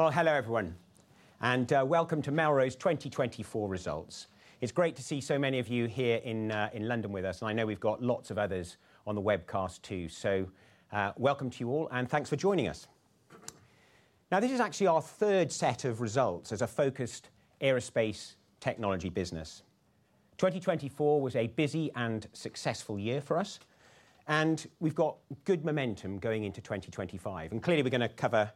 Hello, everyone, and welcome to Melrose 2024 results. It's great to see so many of you here in London with us, and I know we've got lots of others on the webcast too. Welcome to you all, and thanks for joining us. Now, this is actually our third set of results as a focused aerospace technology business. 2024 was a busy and successful year for us, and we've got good momentum going into 2025. Clearly, we're going to cover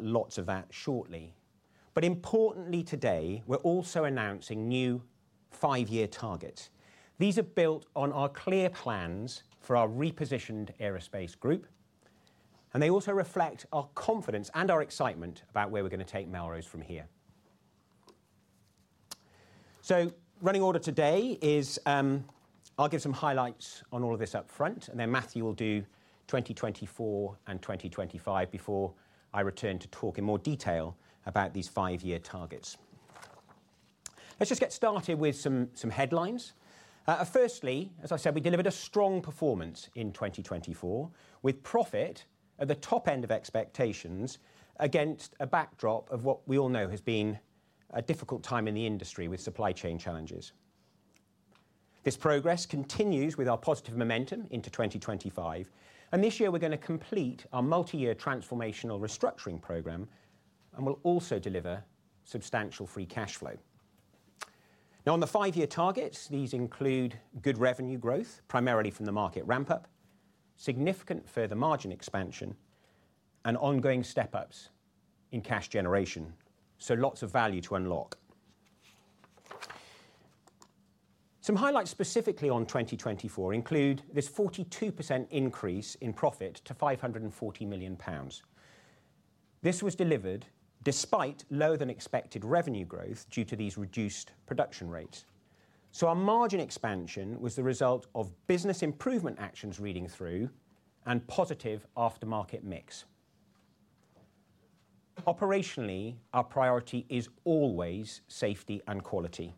lots of that shortly. Importantly today, we're also announcing new five-year targets. These are built on our clear plans for our repositioned aerospace group, and they also reflect our confidence and our excitement about where we're going to take Melrose from here. So, running order today is, I'll give some highlights on all of this upfront, and then Matthew will do 2024 and 2025 before I return to talk in more detail about these five-year targets. Let's just get started with some headlines. Firstly, as I said, we delivered a strong performance in 2024 with profit at the top end of expectations against a backdrop of what we all know has been a difficult time in the industry with supply chain challenges. This progress continues with our positive momentum into 2025, and this year we're going to complete our multi-year transformational restructuring program, and we'll also deliver substantial free cash flow. Now, on the five-year targets, these include good revenue growth, primarily from the market ramp-up, significant further margin expansion, and ongoing step-ups in cash generation. So, lots of value to unlock. Some highlights specifically on 2024 include this 42% increase in profit to 540 million pounds. This was delivered despite lower-than-expected revenue growth due to these reduced production rates. So, our margin expansion was the result of business improvement actions reading through and positive aftermarket mix. Operationally, our priority is always safety and quality.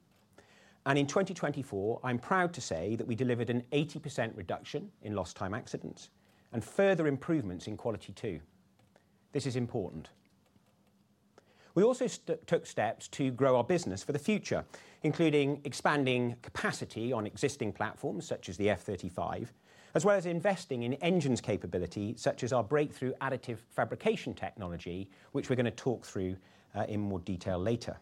And in 2024, I'm proud to say that we delivered an 80% reduction in lost-time accidents and further improvements in quality too. This is important. We also took steps to grow our business for the future, including expanding capacity on existing platforms such as the F-35, as well as investing in engines capability such as our breakthrough additive fabrication technology, which we're going to talk through in more detail later.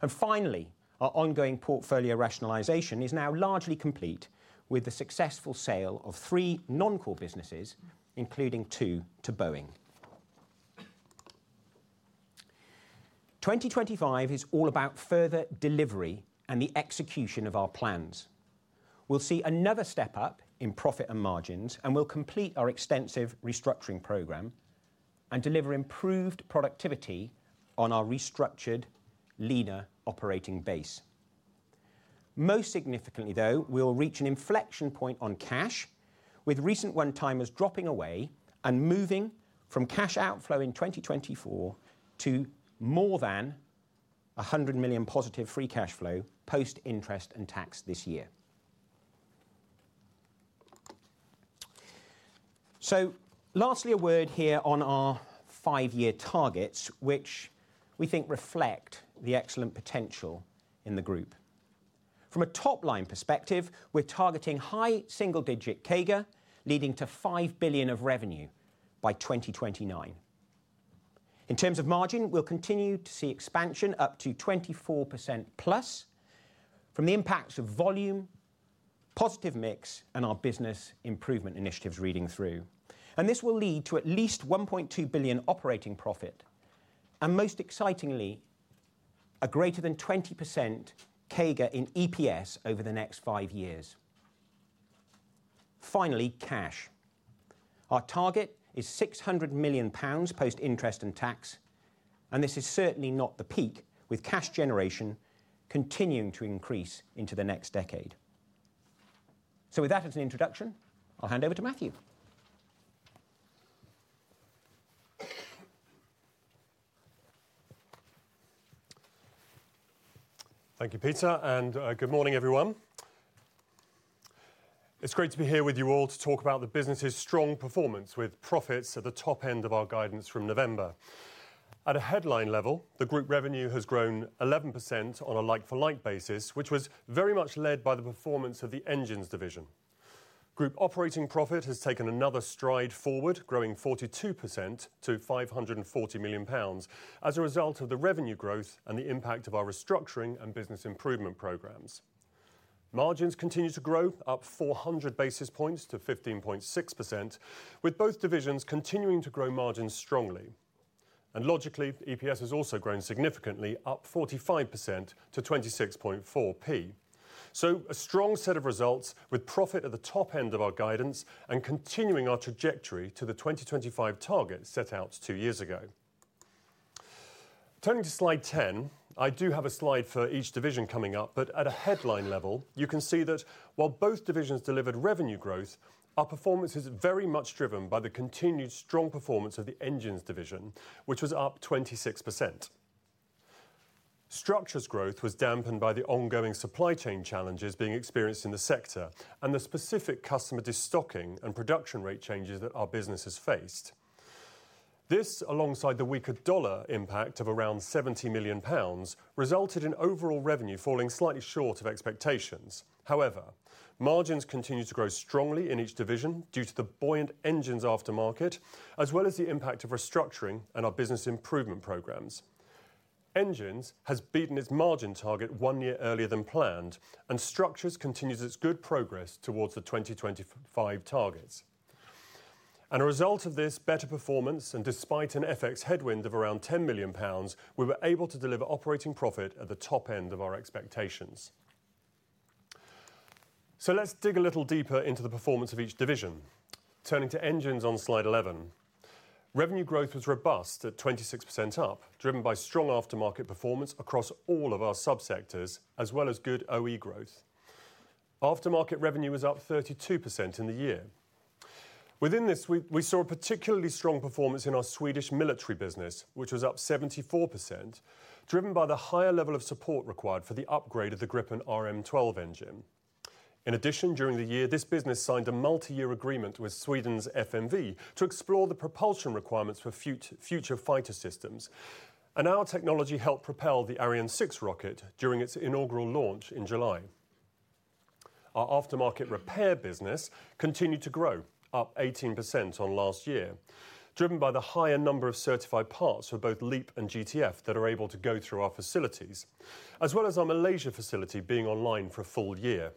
And finally, our ongoing portfolio rationalization is now largely complete with the successful sale of three non-core businesses, including two to Boeing. 2025 is all about further delivery and the execution of our plans. We'll see another step-up in profit and margins, and we'll complete our extensive restructuring program and deliver improved productivity on our restructured leaner operating base. Most significantly, though, we'll reach an inflection point on cash, with recent one-timers dropping away and moving from cash outflow in 2024 to more than 100 million positive free cash flow post interest and tax this year. So, lastly, a word here on our five-year targets, which we think reflect the excellent potential in the group. From a top-line perspective, we're targeting high single-digit CAGR, leading to 5 billion of revenue by 2029. In terms of margin, we'll continue to see expansion up to 24%+ from the impacts of volume, positive mix, and our business improvement initiatives reading through. And this will lead to at least 1.2 billion operating profit, and most excitingly, a greater than 20% CAGR in EPS over the next five years. Finally, cash. Our target is 600 million pounds post interest and tax, and this is certainly not the peak, with cash generation continuing to increase into the next decade. So, with that as an introduction, I'll hand over to Matthew. Thank you, Peter, and good morning, everyone. It's great to be here with you all to talk about the business's strong performance, with profits at the top end of our guidance from November. At a headline level, the group revenue has grown 11% on a like-for-like basis, which was very much led by the performance of the Engines division. Group operating profit has taken another stride forward, growing 42% to 540 million pounds as a result of the revenue growth and the impact of our restructuring and business improvement programs. Margins continue to grow, up 400 basis points to 15.6%, with both divisions continuing to grow margins strongly. And logically, EPS has also grown significantly, up 45% to 26.4p. So, a strong set of results, with profit at the top end of our guidance and continuing our trajectory to the 2025 target set out two years ago. Turning to slide 10, I do have a slide for each division coming up, but at a headline level, you can see that while both divisions delivered revenue growth, our performance is very much driven by the continued strong performance of the Engines division, which was up 26%. Structures growth was dampened by the ongoing supply chain challenges being experienced in the sector and the specific customer destocking and production rate changes that our business has faced. This, alongside the weaker dollar impact of around 70 million pounds, resulted in overall revenue falling slightly short of expectations. However, margins continue to grow strongly in each division due to the buoyant engines aftermarket, as well as the impact of restructuring and our business improvement programs. Engines has beaten its margin target one year earlier than planned, and Structures continues its good progress towards the 2025 targets. As a result of this better performance, and despite an FX headwind of around 10 million pounds, we were able to deliver operating profit at the top end of our expectations. So, let's dig a little deeper into the performance of each division. Turning to Engines on slide 11, revenue growth was robust at 26% up, driven by strong aftermarket performance across all of our subsectors, as well as good OE growth. Aftermarket revenue was up 32% in the year. Within this, we saw a particularly strong performance in our Swedish military business, which was up 74%, driven by the higher level of support required for the upgrade of the Gripen RM12 engine. In addition, during the year, this business signed a multi-year agreement with Sweden's FMV to explore the propulsion requirements for future fighter systems, and our technology helped propel the Ariane 6 rocket during its inaugural launch in July. Our aftermarket repair business continued to grow, up 18% on last year, driven by the higher number of certified parts for both LEAP and GTF that are able to go through our facilities, as well as our Malaysia facility being online for a full year.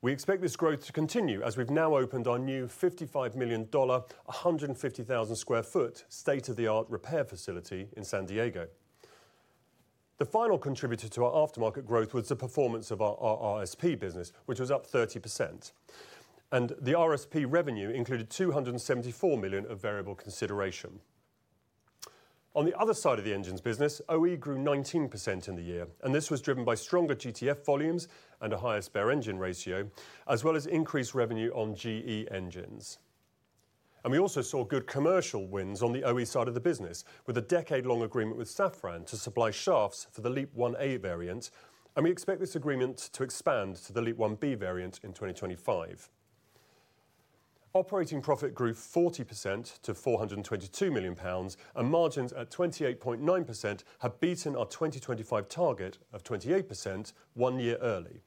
We expect this growth to continue as we've now opened our new $55 million, 150,000 sq ft state-of-the-art repair facility in San Diego. The final contributor to our aftermarket growth was the performance of our RRSP business, which was up 30%, and the RSP revenue included 274 million of variable consideration. On the other side of the Engines business, OE grew 19% in the year, and this was driven by stronger GTF volumes and a higher spare engine ratio, as well as increased revenue on GE engines. We also saw good commercial wins on the OE side of the business, with a decade-long agreement with Safran to supply shafts for the LEAP-1A variant, and we expect this agreement to expand to the LEAP-1B variant in 2025. Operating profit grew 40% to 422 million pounds, and margins at 28.9% have beaten our 2025 target of 28% one year early.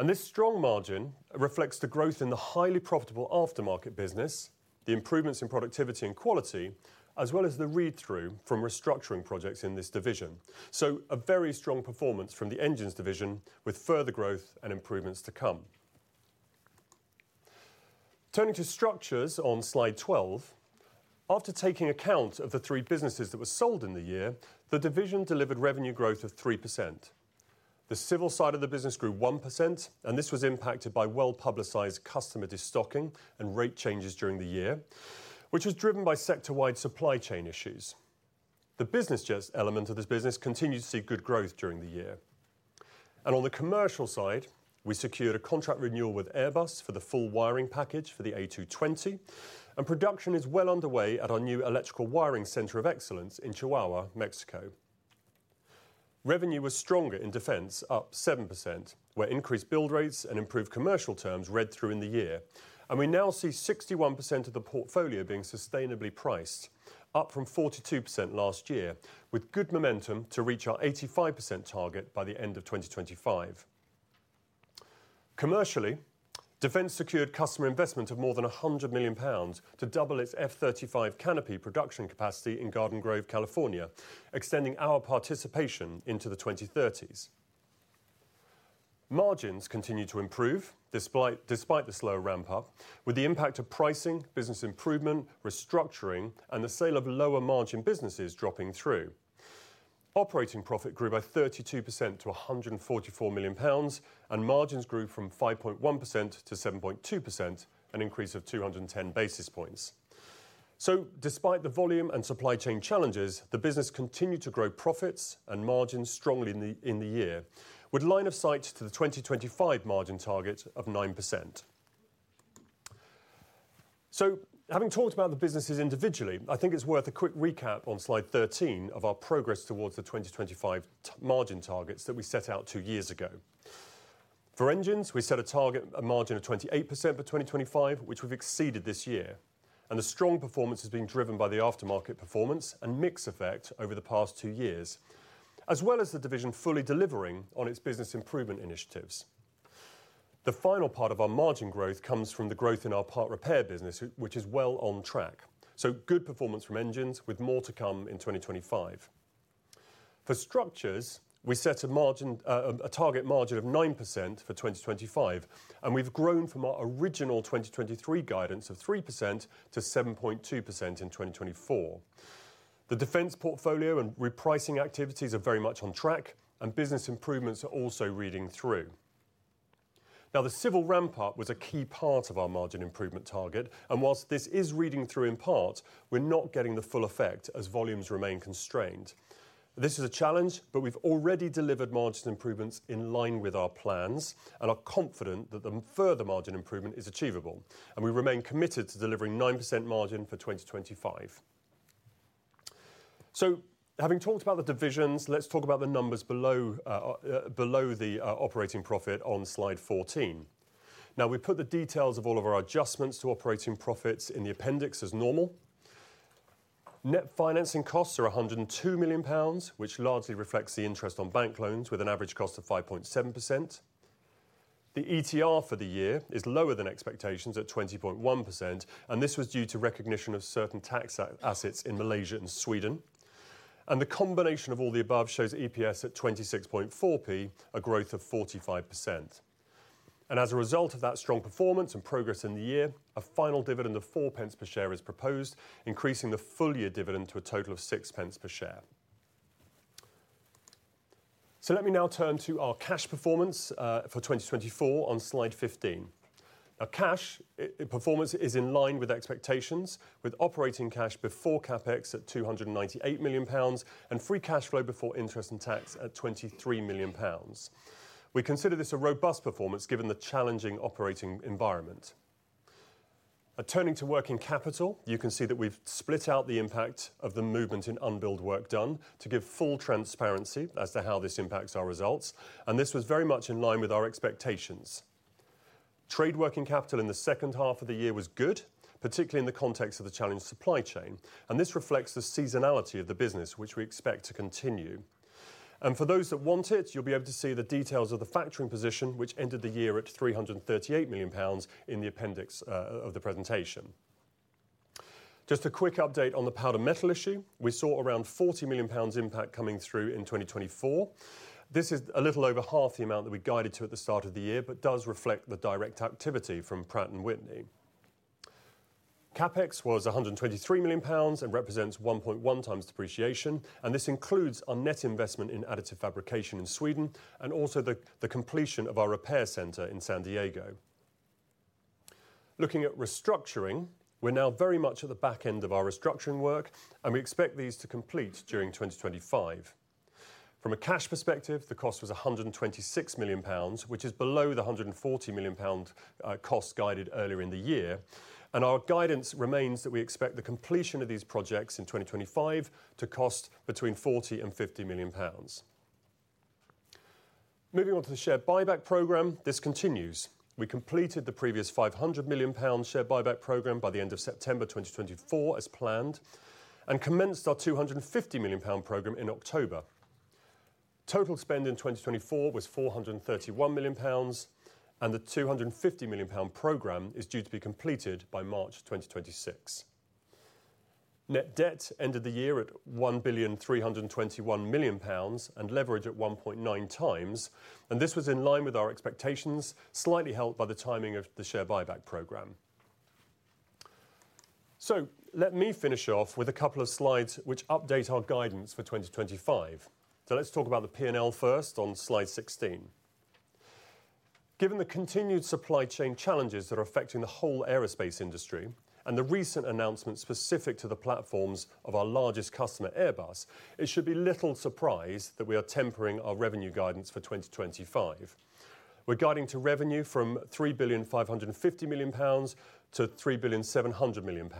And this strong margin reflects the growth in the highly profitable aftermarket business, the improvements in productivity and quality, as well as the read-through from restructuring projects in this division. So, a very strong performance from the Engines division, with further growth and improvements to come. Turning to Structures on slide 12, after taking account of the three businesses that were sold in the year, the division delivered revenue growth of 3%. The Civil side of the business grew 1%, and this was impacted by well-publicized customer destocking and rate changes during the year, which was driven by sector-wide supply chain issues. The Business Jets element of this business continued to see good growth during the year. And on the commercial side, we secured a contract renewal with Airbus for the full wiring package for the A220, and production is well underway at our new electrical wiring center of excellence in Chihuahua, Mexico. Revenue was stronger in Defence, up 7%, where increased build rates and improved commercial terms read through in the year, and we now see 61% of the portfolio being sustainably priced, up from 42% last year, with good momentum to reach our 85% target by the end of 2025. Commercially, Defence secured customer investment of more than 100 million pounds to double its F-35 canopy production capacity in Garden Grove, California, extending our participation into the 2030s. Margins continue to improve despite the slow ramp-up, with the impact of pricing, business improvement, restructuring, and the sale of lower-margin businesses dropping through. Operating profit grew by 32% to 144 million pounds, and margins grew from 5.1% to 7.2%, an increase of 210 basis points. So, despite the volume and supply chain challenges, the business continued to grow profits and margins strongly in the year, with line of sight to the 2025 margin target of 9%. So, having talked about the businesses individually, I think it's worth a quick recap on slide 13 of our progress towards the 2025 margin targets that we set out two years ago. For Engines, we set a target margin of 28% for 2025, which we've exceeded this year, and the strong performance has been driven by the aftermarket performance and mix effect over the past two years, as well as the division fully delivering on its business improvement initiatives. The final part of our margin growth comes from the growth in our part repair business, which is well on track. So, good performance from engines, with more to come in 2025. For Structures, we set a target margin of 9% for 2025, and we've grown from our original 2023 guidance of 3% to 7.2% in 2024. The Defence portfolio and repricing activities are very much on track, and business improvements are also feeding through. Now, the Civil ramp-up was a key part of our margin improvement target, and whilst this is reading through in part, we're not getting the full effect as volumes remain constrained. This is a challenge, but we've already delivered margin improvements in line with our plans and are confident that the further margin improvement is achievable, and we remain committed to delivering 9% margin for 2025. So, having talked about the divisions, let's talk about the numbers below the operating profit on slide 14. Now, we put the details of all of our adjustments to operating profits in the appendix as normal. Net financing costs are 102 million pounds, which largely reflects the interest on bank loans with an average cost of 5.7%. The ETR for the year is lower than expectations at 20.1%, and this was due to recognition of certain tax assets in Malaysia and Sweden. The combination of all the above shows EPS at 0.264, a growth of 45%. As a result of that strong performance and progress in the year, a final dividend of 0.04 per share is proposed, increasing the full year dividend to a total of 0.06 per share. Let me now turn to our cash performance for 2024 on slide 15. Now, cash performance is in line with expectations, with operating cash before CapEx at 298 million pounds and free cash flow before interest and tax at 23 million pounds. We consider this a robust performance given the challenging operating environment. Turning to working capital, you can see that we've split out the impact of the movement in unbilled work done to give full transparency as to how this impacts our results, and this was very much in line with our expectations. Trade working capital in the second half of the year was good, particularly in the context of the challenged supply chain, and this reflects the seasonality of the business, which we expect to continue, and for those that want it, you'll be able to see the details of the factoring position, which ended the year at 338 million pounds in the appendix of the presentation. Just a quick update on the powder metal issue, we saw around 40 million pounds impact coming through in 2024. This is a little over half the amount that we guided to at the start of the year, but does reflect the direct activity from Pratt & Whitney. CapEx was 123 million pounds and represents 1.1 times depreciation, and this includes our net investment in additive fabrication in Sweden and also the completion of our repair center in San Diego. Looking at restructuring, we're now very much at the back end of our restructuring work, and we expect these to complete during 2025. From a cash perspective, the cost was 126 million pounds, which is below the 140 million pound cost guided earlier in the year, and our guidance remains that we expect the completion of these projects in 2025 to cost between 40 and 50 million pounds. Moving on to the share buyback program, this continues. We completed the previous 500 million pound share buyback program by the end of September 2024 as planned and commenced our 250 million pound program in October. Total spend in 2024 was 431 million pounds, and the 250 million pound program is due to be completed by March 2026. Net debt ended the year at 1,321 million pounds and leverage at 1.9 times, and this was in line with our expectations, slightly helped by the timing of the share buyback program. Let me finish off with a couple of slides which update our guidance for 2025. Let's talk about the P&L first on slide 16. Given the continued supply chain challenges that are affecting the whole aerospace industry and the recent announcement specific to the platforms of our largest customer, Airbus, it should be little surprise that we are tempering our revenue guidance for 2025. We're guiding to revenue from 3.55 billion to 3.70 billion,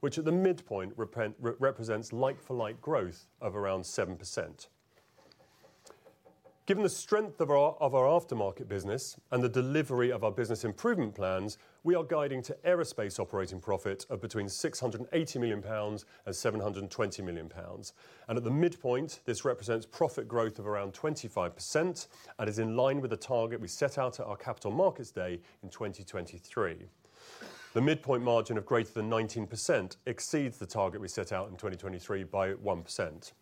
which at the midpoint represents like-for-like growth of around 7%. Given the strength of our aftermarket business and the delivery of our business improvement plans, we are guiding to aerospace operating profit of between 680 million pounds and 720 million pounds, and at the midpoint, this represents profit growth of around 25% and is in line with the target we set out at our Capital Markets Day in 2023. The midpoint margin of greater than 19% exceeds the target we set out in 2023 by 1%.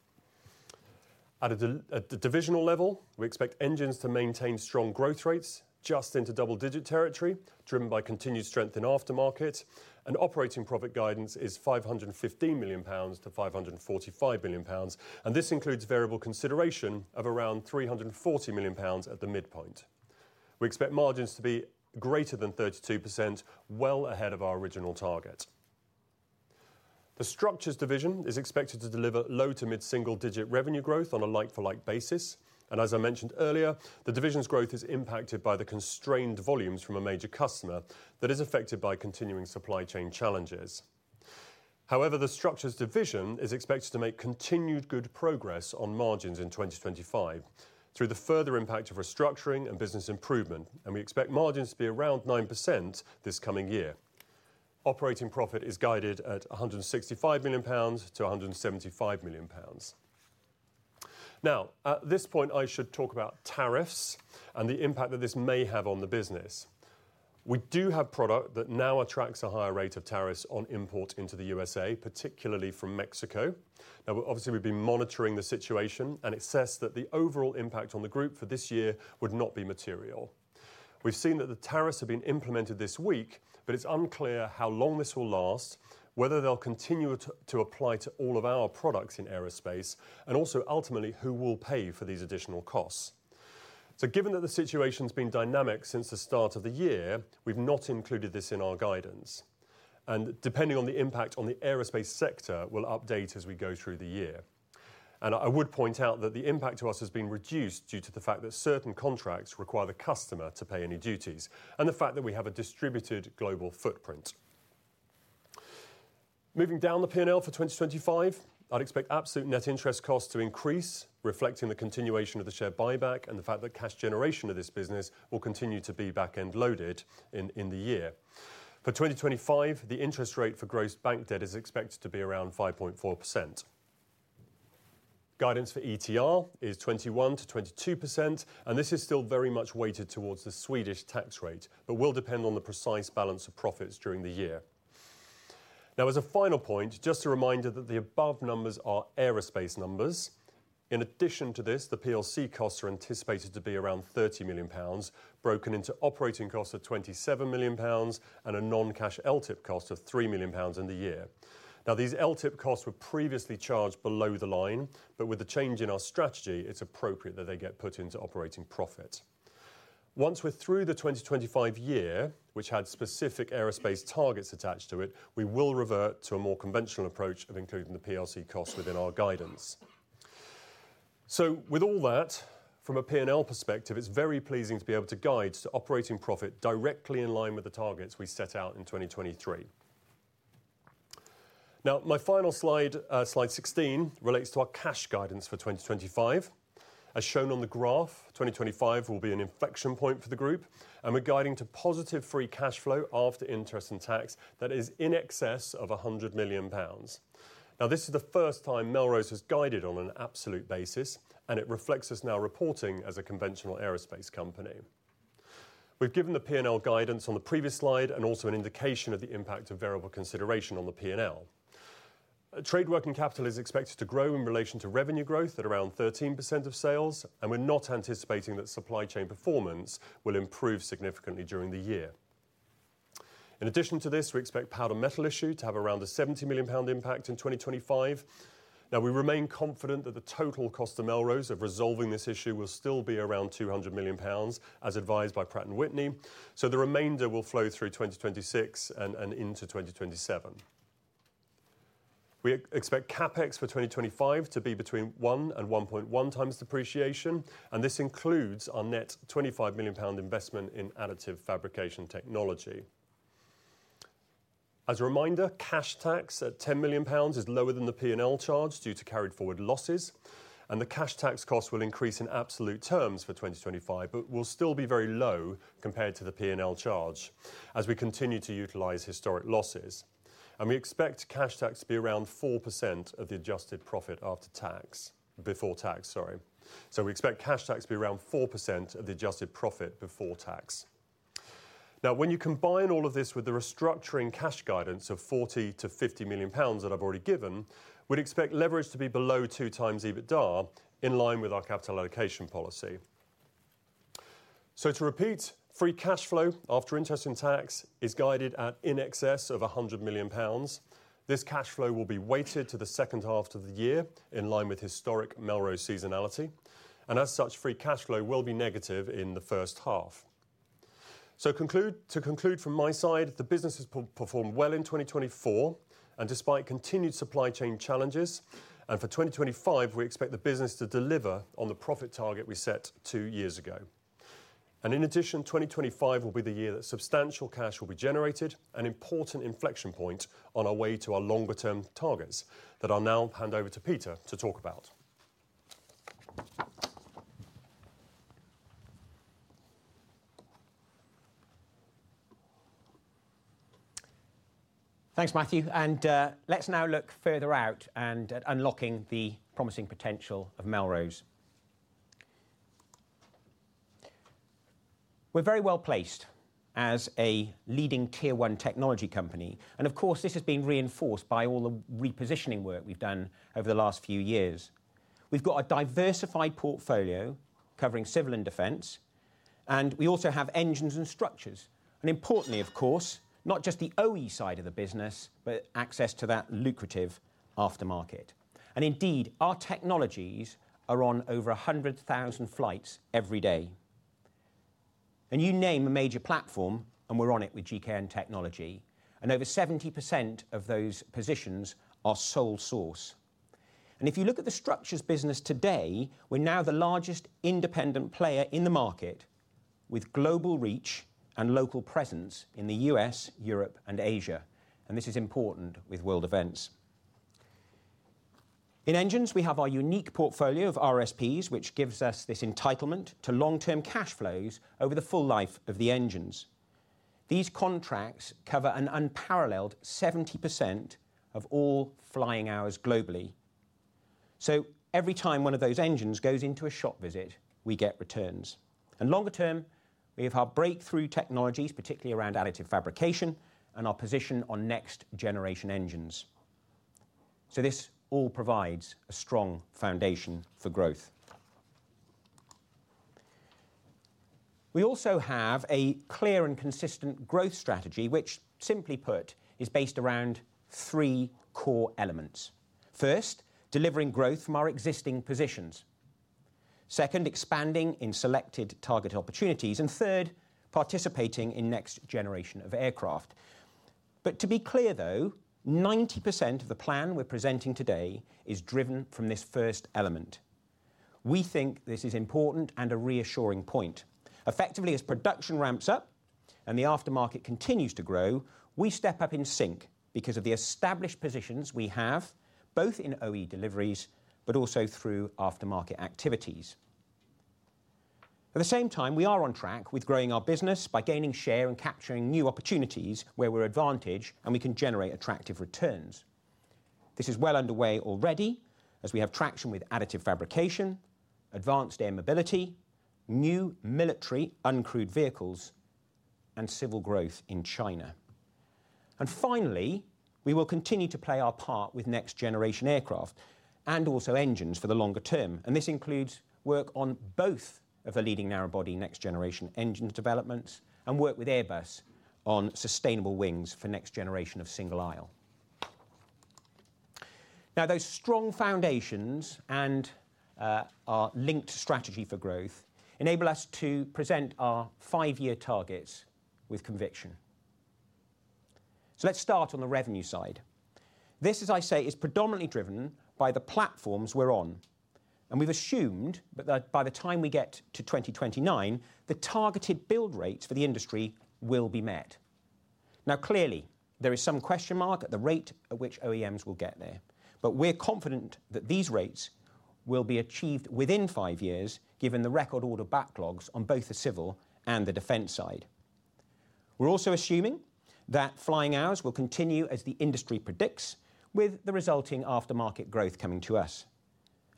At a divisional level, we expect Engines to maintain strong growth rates just into double-digit territory, driven by continued strength in aftermarket, and operating profit guidance is 515 million-545 million pounds, and this includes variable consideration of around 340 million pounds at the midpoint. We expect margins to be greater than 32%, well ahead of our original target. The Structures division is expected to deliver low to mid-single-digit revenue growth on a like-for-like basis, and as I mentioned earlier, the division's growth is impacted by the constrained volumes from a major customer that is affected by continuing supply chain challenges. However, the Structures division is expected to make continued good progress on margins in 2025 through the further impact of restructuring and business improvement, and we expect margins to be around 9% this coming year. Operating profit is guided at 165 million-175 million pounds. Now, at this point, I should talk about tariffs and the impact that this may have on the business. We do have product that now attracts a higher rate of tariffs on import into the USA, particularly from Mexico. Now, obviously, we've been monitoring the situation and assessed that the overall impact on the group for this year would not be material. We've seen that the tariffs have been implemented this week, but it's unclear how long this will last, whether they'll continue to apply to all of our products in aerospace, and also ultimately who will pay for these additional costs. Given that the situation has been dynamic since the start of the year, we've not included this in our guidance, and depending on the impact on the aerospace sector, we'll update as we go through the year. I would point out that the impact to us has been reduced due to the fact that certain contracts require the customer to pay any duties and the fact that we have a distributed global footprint. Moving down the P&L for 2025, I'd expect absolute net interest costs to increase, reflecting the continuation of the share buyback and the fact that cash generation of this business will continue to be back-end loaded in the year. For 2025, the interest rate for gross bank debt is expected to be around 5.4%. Guidance for ETR is 21%-22%, and this is still very much weighted towards the Swedish tax rate, but will depend on the precise balance of profits during the year. Now, as a final point, just a reminder that the above numbers are aerospace numbers. In addition to this, the PLC costs are anticipated to be around 30 million pounds, broken into operating costs of 27 million pounds and a non-cash LTIP cost of 3 million pounds in the year. Now, these LTIP costs were previously charged below the line, but with the change in our strategy, it's appropriate that they get put into operating profit. Once we're through the 2025 year, which had specific aerospace targets attached to it, we will revert to a more conventional approach of including the PLC costs within our guidance. So, with all that, from a P&L perspective, it's very pleasing to be able to guide to operating profit directly in line with the targets we set out in 2023. Now, my final slide, slide 16, relates to our cash guidance for 2025. As shown on the graph, 2025 will be an inflection point for the group, and we're guiding to positive free cash flow after interest and tax that is in excess of 100 million pounds. Now, this is the first time Melrose has guided on an absolute basis, and it reflects us now reporting as a conventional aerospace company. We've given the P&L guidance on the previous slide and also an indication of the impact of variable consideration on the P&L. Trade working capital is expected to grow in relation to revenue growth at around 13% of sales, and we're not anticipating that supply chain performance will improve significantly during the year. In addition to this, we expect powder metal issue to have around a 70 million pound impact in 2025. Now, we remain confident that the total cost to Melrose of resolving this issue will still be around 200 million pounds, as advised by Pratt & Whitney, so the remainder will flow through 2026 and into 2027. We expect CapEx for 2025 to be between 1 and 1.1 times depreciation, and this includes our net 25 million pound investment in additive fabrication technology. As a reminder, cash tax at 10 million pounds is lower than the P&L charge due to carried forward losses, and the cash tax cost will increase in absolute terms for 2025, but will still be very low compared to the P&L charge as we continue to utilize historic losses. And we expect cash tax to be around 4% of the adjusted profit after tax before tax, sorry. So, we expect cash tax to be around 4% of the adjusted profit before tax. Now, when you combine all of this with the restructuring cash guidance of 40 million-50 million pounds that I've already given, we'd expect leverage to be below 2x EBITDA in line with our capital allocation policy. So, to repeat, free cash flow after interest and tax is guided at in excess of 100 million pounds. This cash flow will be weighted to the second half of the year in line with historic Melrose seasonality, and as such, free cash flow will be negative in the first half. So, to conclude from my side, the business has performed well in 2024, and despite continued supply chain challenges, and for 2025, we expect the business to deliver on the profit target we set two years ago. And in addition, 2025 will be the year that substantial cash will be generated, an important inflection point on our way to our longer-term targets that I'll now hand over to Peter to talk about. Thanks, Matthew, and let's now look further out and at unlocking the promising potential of Melrose. We're very well placed as a leading Tier 1 technology company, and of course, this has been reinforced by all the repositioning work we've done over the last few years. We've got a diversified portfolio covering Civil and Defence, and we also have Engines and Structures, and importantly, of course, not just the OE side of the business, but access to that lucrative aftermarket, and indeed, our technologies are on over 100,000 flights every day, and you name a major platform, and we're on it with GKN technology, and over 70% of those positions are sole source, and if you look at the Structures business today, we're now the largest independent player in the market with global reach and local presence in the U.S., Europe, and Asia, and this is important with world events. In Engines, we have our unique portfolio of RSPs, which gives us this entitlement to long-term cash flows over the full life of the Engines. These contracts cover an unparalleled 70% of all flying hours globally. So, every time one of those Engines goes into a shop visit, we get returns. And longer term, we have our breakthrough technologies, particularly around additive fabrication and our position on next-generation Engines. So, this all provides a strong foundation for growth. We also have a clear and consistent growth strategy, which, simply put, is based around three core elements. First, delivering growth from our existing positions. Second, expanding in selected target opportunities, and third, participating in next-generation of aircraft. But to be clear, though, 90% of the plan we're presenting today is driven from this first element. We think this is important and a reassuring point. Effectively, as production ramps up and the aftermarket continues to grow, we step up in sync because of the established positions we have, both in OE deliveries, but also through aftermarket activities. At the same time, we are on track with growing our business by gaining share and capturing new opportunities where we're advantaged and we can generate attractive returns. This is well underway already as we have traction with additive fabrication, advanced air mobility, new military uncrewed vehicles, and Civil growth in China, and finally, we will continue to play our part with next-generation aircraft and also Engines for the longer term, and this includes work on both of the leading narrowbody next-generation Engines developments and work with Airbus on sustainable wings for next-generation of single-aisle. Now, those strong foundations and our linked strategy for growth enable us to present our five-year targets with conviction, so let's start on the revenue side. This, as I say, is predominantly driven by the platforms we're on, and we've assumed that by the time we get to 2029, the targeted build rates for the industry will be met. Now, clearly, there is some question mark at the rate at which OEMs will get there, but we're confident that these rates will be achieved within five years given the record order backlogs on both the Civil and the Defence side. We're also assuming that flying hours will continue as the industry predicts, with the resulting aftermarket growth coming to us,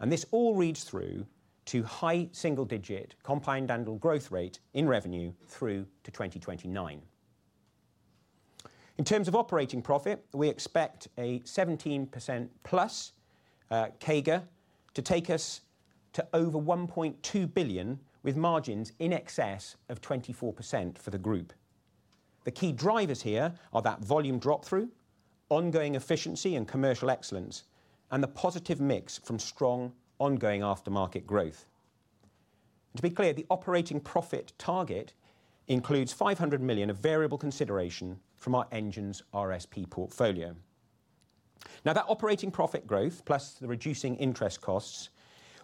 and this all reads through to high single-digit compound annual growth rate in revenue through to 2029. In terms of operating profit, we expect a 17%+ CAGR to take us to over 1.2 billion with margins in excess of 24% for the group. The key drivers here are that volume drop-through, ongoing efficiency and commercial excellence, and the positive mix from strong ongoing aftermarket growth. To be clear, the operating profit target includes 500 million of variable consideration from our engines RSP portfolio. Now, that operating profit growth plus the reducing interest costs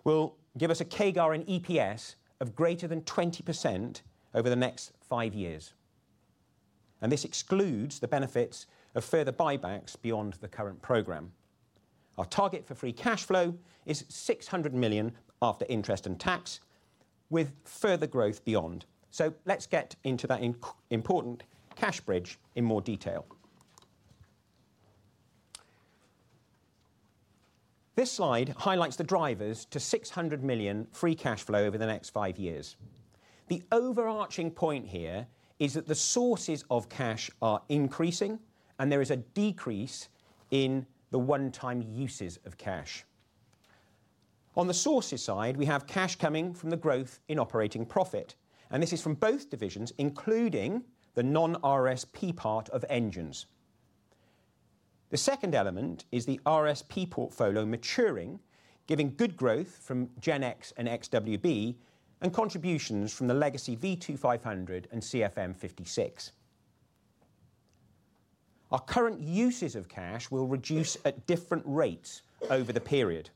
will give us a CAGR and EPS of greater than 20% over the next five years, and this excludes the benefits of further buybacks beyond the current program. Our target for free cash flow is 600 million after interest and tax with further growth beyond. So, let's get into that important cash bridge in more detail. This slide highlights the drivers to 600 million free cash flow over the next five years. The overarching point here is that the sources of cash are increasing, and there is a decrease in the one-time uses of cash. On the sources side, we have cash coming from the growth in operating profit, and this is from both divisions, including the non-RSP part of Engines. The second element is the RSP portfolio maturing, giving good growth from GEnx and XWB and contributions from the legacy V2500 and CFM56. Our current uses of cash will reduce at different rates over the period.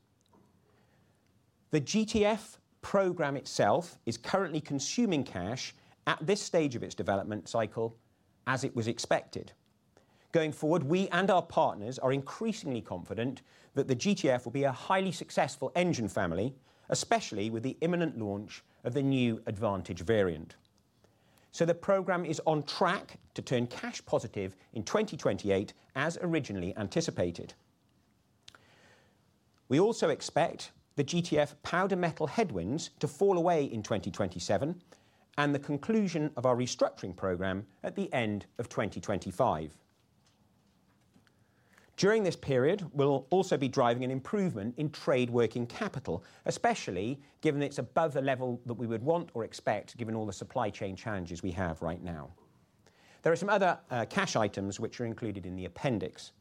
The GTF program itself is currently consuming cash at this stage of its development cycle, as it was expected. Going forward, we and our partners are increasingly confident that the GTF will be a highly successful engine family, especially with the imminent launch of the new Advantage variant. So, the program is on track to turn cash positive in 2028, as originally anticipated. We also expect the GTF powder metal headwinds to fall away in 2027 and the conclusion of our restructuring program at the end of 2025. During this period, we'll also be driving an improvement in trade working capital, especially given it's above the level that we would want or expect, given all the supply chain challenges we have right now. There are some other cash items which are included in the appendix,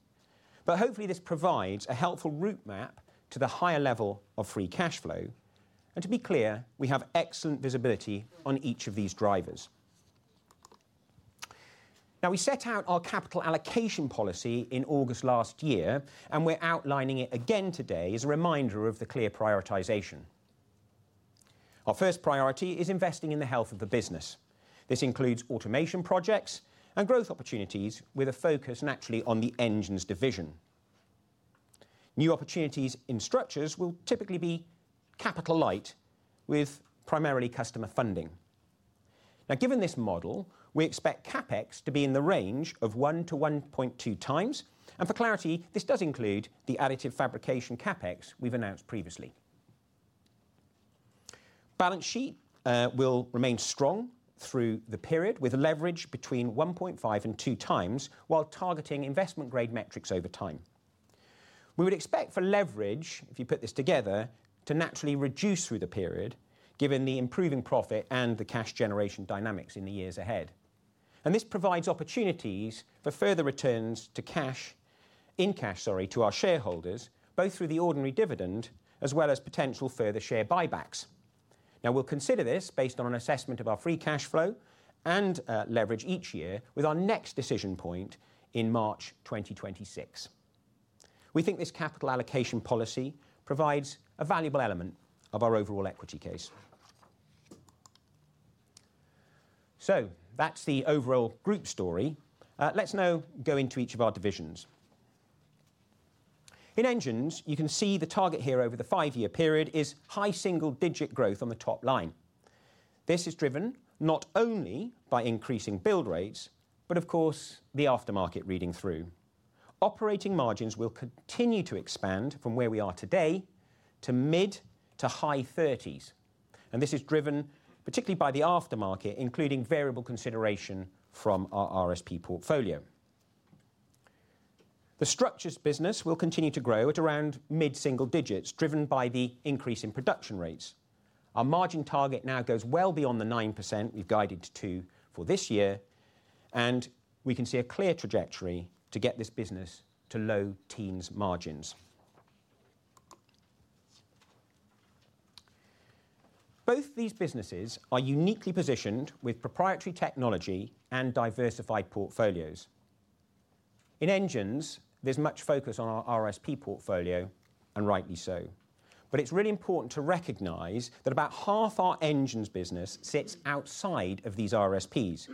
but hopefully this provides a helpful route map to the higher level of free cash flow, and to be clear, we have excellent visibility on each of these drivers. Now, we set out our capital allocation policy in August last year, and we're outlining it again today as a reminder of the clear prioritization. Our first priority is investing in the health of the business. This includes automation projects and growth opportunities with a focus naturally on the Engines division. New opportunities in Structures will typically be capital light with primarily customer funding. Now, given this model, we expect CapEx to be in the range of 1-1.2x, and for clarity, this does include the additive fabrication CapEx we've announced previously. Balance sheet will remain strong through the period with leverage between 1.5 and 2x while targeting investment-grade metrics over time. We would expect for leverage, if you put this together, to naturally reduce through the period given the improving profit and the cash generation dynamics in the years ahead, and this provides opportunities for further returns to cash in cash, sorry, to our shareholders, both through the ordinary dividend as well as potential further share buybacks. Now, we'll consider this based on an assessment of our free cash flow and leverage each year with our next decision point in March 2026. We think this capital allocation policy provides a valuable element of our overall equity case. So, that's the overall group story. Let's now go into each of our divisions. In engines, you can see the target here over the five-year period is high single-digit growth on the top line. This is driven not only by increasing build rates, but of course, the aftermarket reading through. Operating margins will continue to expand from where we are today to mid to high 30s, and this is driven particularly by the aftermarket, including variable consideration from our RSP portfolio. The Structures business will continue to grow at around mid-single digits, driven by the increase in production rates. Our margin target now goes well beyond the 9% we've guided to for this year, and we can see a clear trajectory to get this business to low teens margins. Both these businesses are uniquely positioned with proprietary technology and diversified portfolios. In Engines, there's much focus on our RSP portfolio, and rightly so, but it's really important to recognize that about half our Engines business sits outside of these RSPs.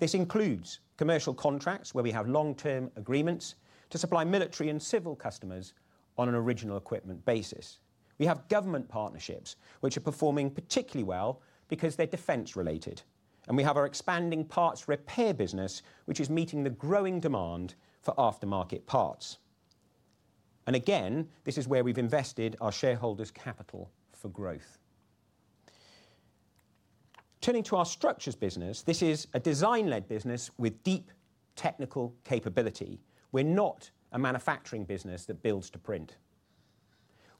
This includes commercial contracts where we have long-term agreements to supply military and Civil customers on an original equipment basis. We have government partnerships which are performing particularly well because they're defence-related, and we have our expanding parts repair business which is meeting the growing demand for aftermarket parts. And again, this is where we've invested our shareholders' capital for growth. Turning to our Structures business, this is a design-led business with deep technical capability. We're not a manufacturing business that builds to print.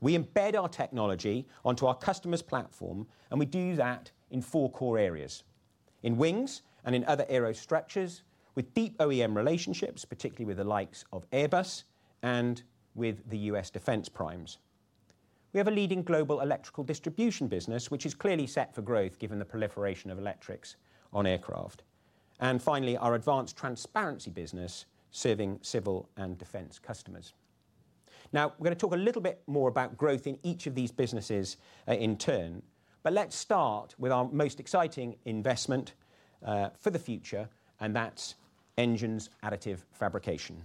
We embed our technology onto our customer's platform, and we do that in four core areas: in wings and in other aero Structures with deep OEM relationships, particularly with the likes of Airbus and with the U.S. defence primes. We have a leading global electrical distribution business which is clearly set for growth given the proliferation of electrics on aircraft, and finally, our advanced transparency business serving Civil and Defence customers. Now, we're going to talk a little bit more about growth in each of these businesses in turn, but let's start with our most exciting investment for the future, and that's Engines, additive fabrication.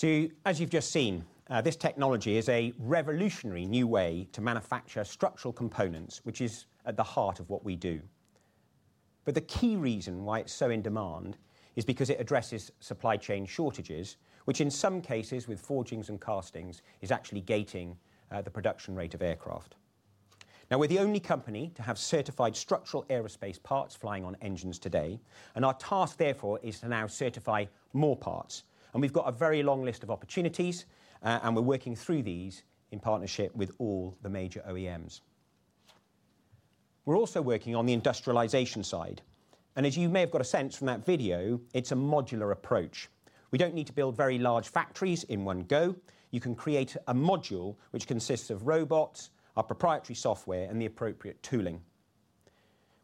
So, as you've just seen, this technology is a revolutionary new way to manufacture structural components, which is at the heart of what we do. But the key reason why it's so in demand is because it addresses supply chain shortages, which in some cases with forgings and castings is actually gating the production rate of aircraft. Now, we're the only company to have certified structural aerospace parts flying on Engines today, and our task, therefore, is to now certify more parts. And we've got a very long list of opportunities, and we're working through these in partnership with all the major OEMs. We're also working on the industrialization side, and as you may have got a sense from that video, it's a modular approach. We don't need to build very large factories in one go. You can create a module which consists of robots, our proprietary software, and the appropriate tooling.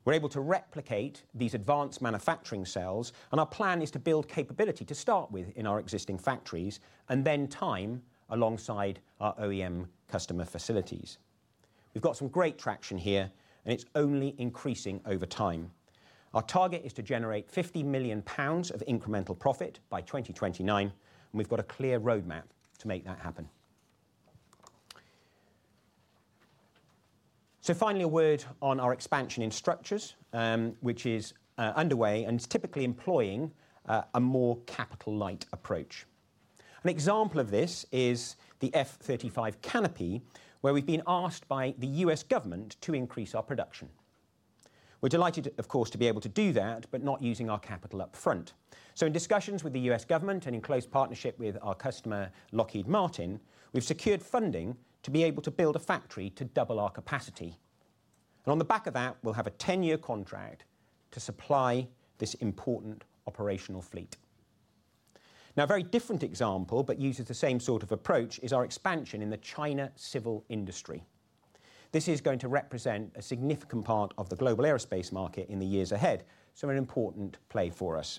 We're able to replicate these advanced manufacturing cells, and our plan is to build capability to start with in our existing factories and then time alongside our OEM customer facilities. We've got some great traction here, and it's only increasing over time. Our target is to generate 50 million pounds of incremental profit by 2029, and we've got a clear roadmap to make that happen. So, finally, a word on our expansion in Structures, which is underway and is typically employing a more capital light approach. An example of this is the F-35 canopy, where we've been asked by the U.S. government to increase our production. We're delighted, of course, to be able to do that, but not using our capital upfront. In discussions with the U.S. government and in close partnership with our customer Lockheed Martin, we've secured funding to be able to build a factory to double our capacity. On the back of that, we'll have a 10-year contract to supply this important operational fleet. Now, a very different example, but uses the same sort of approach, is our expansion in the China Civil industry. This is going to represent a significant part of the global aerospace market in the years ahead, so an important play for us.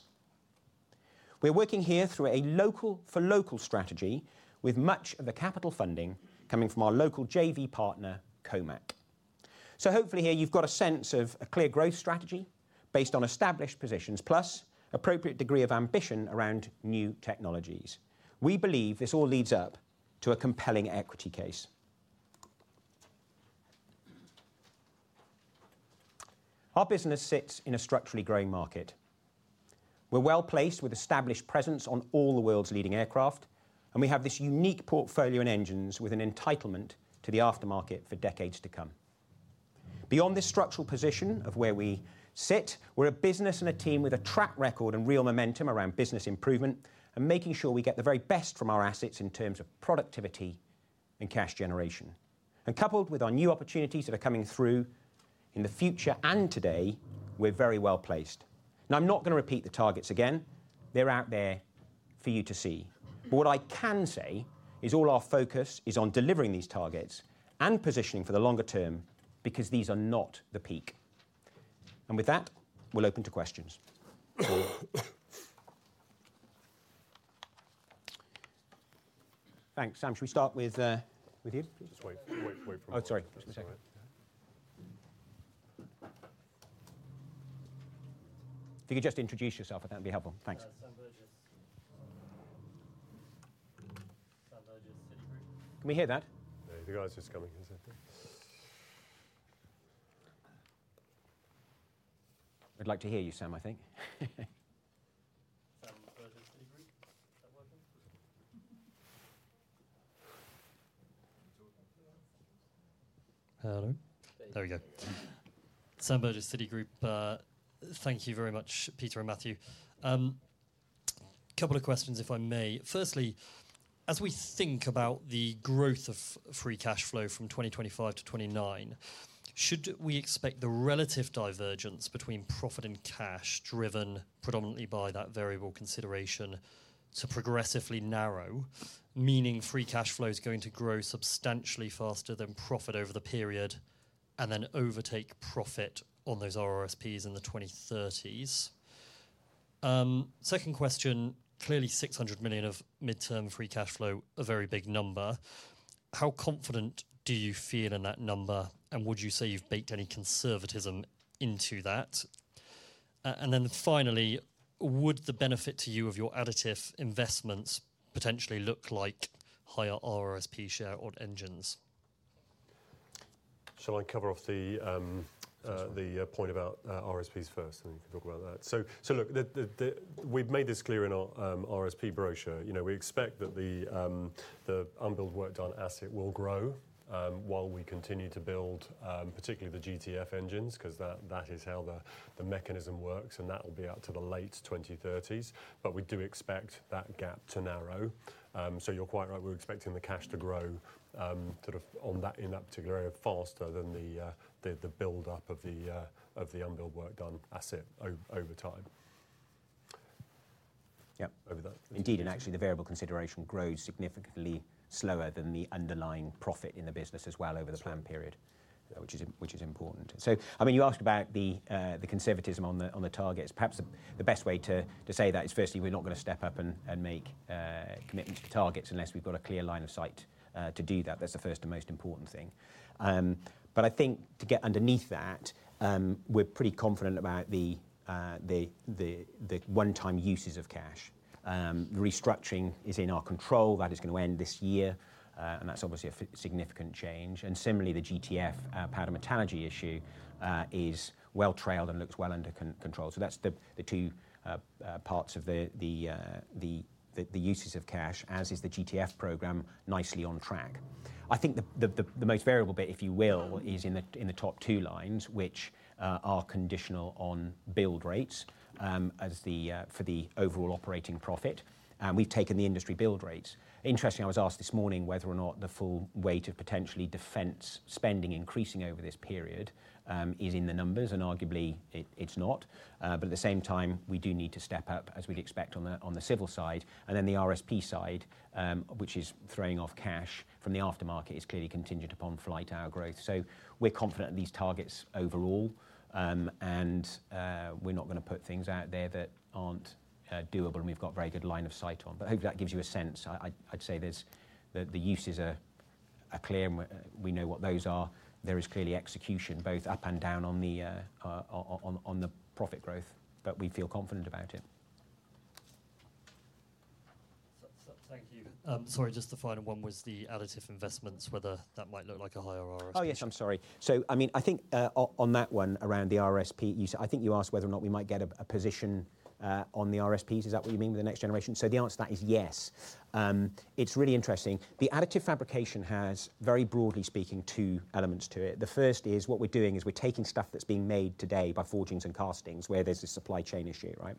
We're working here through a local-for-local strategy, with much of the capital funding coming from our local JV partner, COMAC. Hopefully here, you've got a sense of a clear growth strategy based on established positions, plus an appropriate degree of ambition around new technologies. We believe this all leads up to a compelling equity case. Our business sits in a structurally growing market. We're well placed with established presence on all the world's leading aircraft, and we have this unique portfolio in Engines with an entitlement to the aftermarket for decades to come. Beyond this structural position of where we sit, we're a business and a team with a track record and real momentum around business improvement and making sure we get the very best from our assets in terms of productivity and cash generation. And coupled with our new opportunities that are coming through in the future and today, we're very well placed. Now, I'm not going to repeat the targets again. They're out there for you to see. But what I can say is all our focus is on delivering these targets and positioning for the longer term because these are not the peak. And with that, we'll open to questions. Thanks. Sam, should we start with you? Just wait for a moment. Oh, sorry. If you could just introduce yourself, I think that'd be helpful. Thanks. Can we hear that? The guy's just coming into the... I'd like to hear you, Sam, I think. Hello? There we go. Sam Burgess, Citigroup. Thank you very much, Peter and Matthew. Couple of questions, if I may. Firstly, as we think about the growth of free cash flow from 2025-2029, should we expect the relative divergence between profit and cash driven predominantly by that variable consideration to progressively narrow, meaning free cash flow is going to grow substantially faster than profit over the period and then overtake profit on those RRSPs in the 2030s? Second question, clearly, 600 million of mid-term free cash flow, a very big number. How confident do you feel in that number, and would you say you've baked any conservatism into that? And then finally, would the benefit to you of your additive investments potentially look like higher RRSP share on Engines? Shall I cover off the point about RRSPs first, and then you can talk about that? So, look, we've made this clear in our RRSP brochure. We expect that the unbilled work done asset will grow while we continue to build, particularly the GTF Engines, because that is how the mechanism works, and that will be out to the late 2030s. But we do expect that gap to narrow. So, you're quite right. We're expecting the cash to grow sort of in that particular area faster than the build-up of the unbilled work done asset over time. Yep. Indeed. Actually, the variable consideration grows significantly slower than the underlying profit in the business as well over the planned period, which is important. I mean, you asked about the conservatism on the targets. Perhaps the best way to say that is, firstly, we're not going to step up and make commitments to targets unless we've got a clear line of sight to do that. That's the first and most important thing. I think to get underneath that, we're pretty confident about the one-time uses of cash. Restructuring is in our control. That is going to end this year, and that's obviously a significant change. And similarly, the GTF powder metallurgy issue is well-trailed and looks well under control. That's the two parts of the uses of cash, as is the GTF program, nicely on track. I think the most variable bit, if you will, is in the top two lines, which are conditional on build rates for the overall operating profit. We've taken the industry build rates. Interestingly, I was asked this morning whether or not the full weight of potentially defence spending increasing over this period is in the numbers, and arguably it's not. But at the same time, we do need to step up, as we'd expect, on the Civil side. And then the RSP side, which is throwing off cash from the aftermarket, is clearly contingent upon flight hour growth, so we're confident at these targets overall, and we're not going to put things out there that aren't doable, and we've got a very good line of sight on, but hopefully, that gives you a sense. I'd say the uses are clear, and we know what those are. There is clearly execution both up and down on the profit growth, but we feel confident about it. Thank you. Sorry, just the final one was the additive investments, whether that might look like a higher RRSP. Oh, yes, I'm sorry. So, I mean, I think on that one around the RSP, I think you asked whether or not we might get a position on the RSPs. Is that what you mean with the next generation? So, the answer to that is yes. It's really interesting. The additive fabrication has, very broadly speaking, two elements to it. The first is what we're doing is we're taking stuff that's being made today by forgings and castings where there's this supply chain issue, right,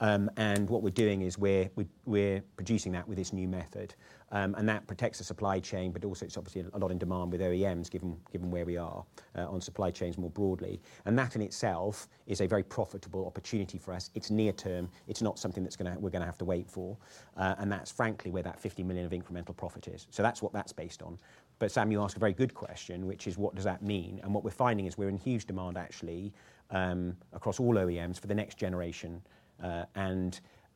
and what we're doing is we're producing that with this new method. That protects the supply chain, but also it's obviously a lot in demand with OEMs, given where we are on supply chains more broadly. That in itself is a very profitable opportunity for us. It's near term. It's not something that we're going to have to wait for. That's frankly where that 50 million of incremental profit is. That's what that's based on. Sam, you asked a very good question, which is what does that mean? What we're finding is we're in huge demand, actually, across all OEMs for the next generation.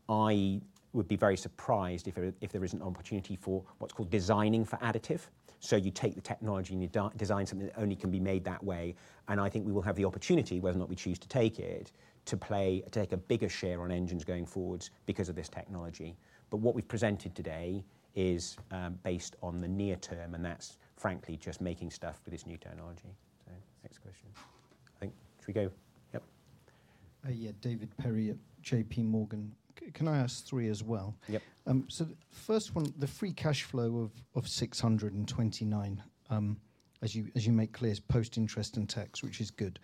I would be very surprised if there isn't an opportunity for what's called designing for additive. You take the technology and you design something that only can be made that way. I think we will have the opportunity, whether or not we choose to take it, to take a bigger share on Engines going forward because of this technology. But what we've presented today is based on the near term, and that's frankly just making stuff with this new technology. So, next question. I think should we go? Yep. Yeah, David Perry at J.P. Morgan. Can I ask three as well? Yep. So, first one, the free cash flow of 629, as you make clear, is post-interest and tax, which is good.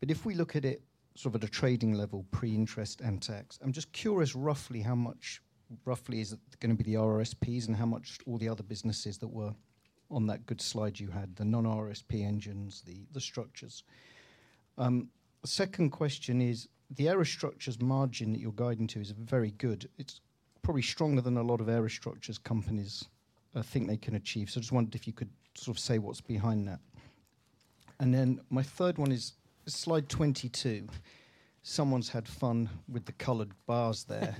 But if we look at it sort of at a trading level, pre-interest and tax, I'm just curious roughly how much roughly is it going to be the RRSPs and how much all the other businesses that were on that good slide you had, the non-RRSP Engines, the structures. Second question is the aero structures margin that you're guiding to is very good. It's probably stronger than a lot of aero structures companies think they can achieve. So, I just wondered if you could sort of say what's behind that. And then my third one is Slide 22. Someone's had fun with the colored bars there.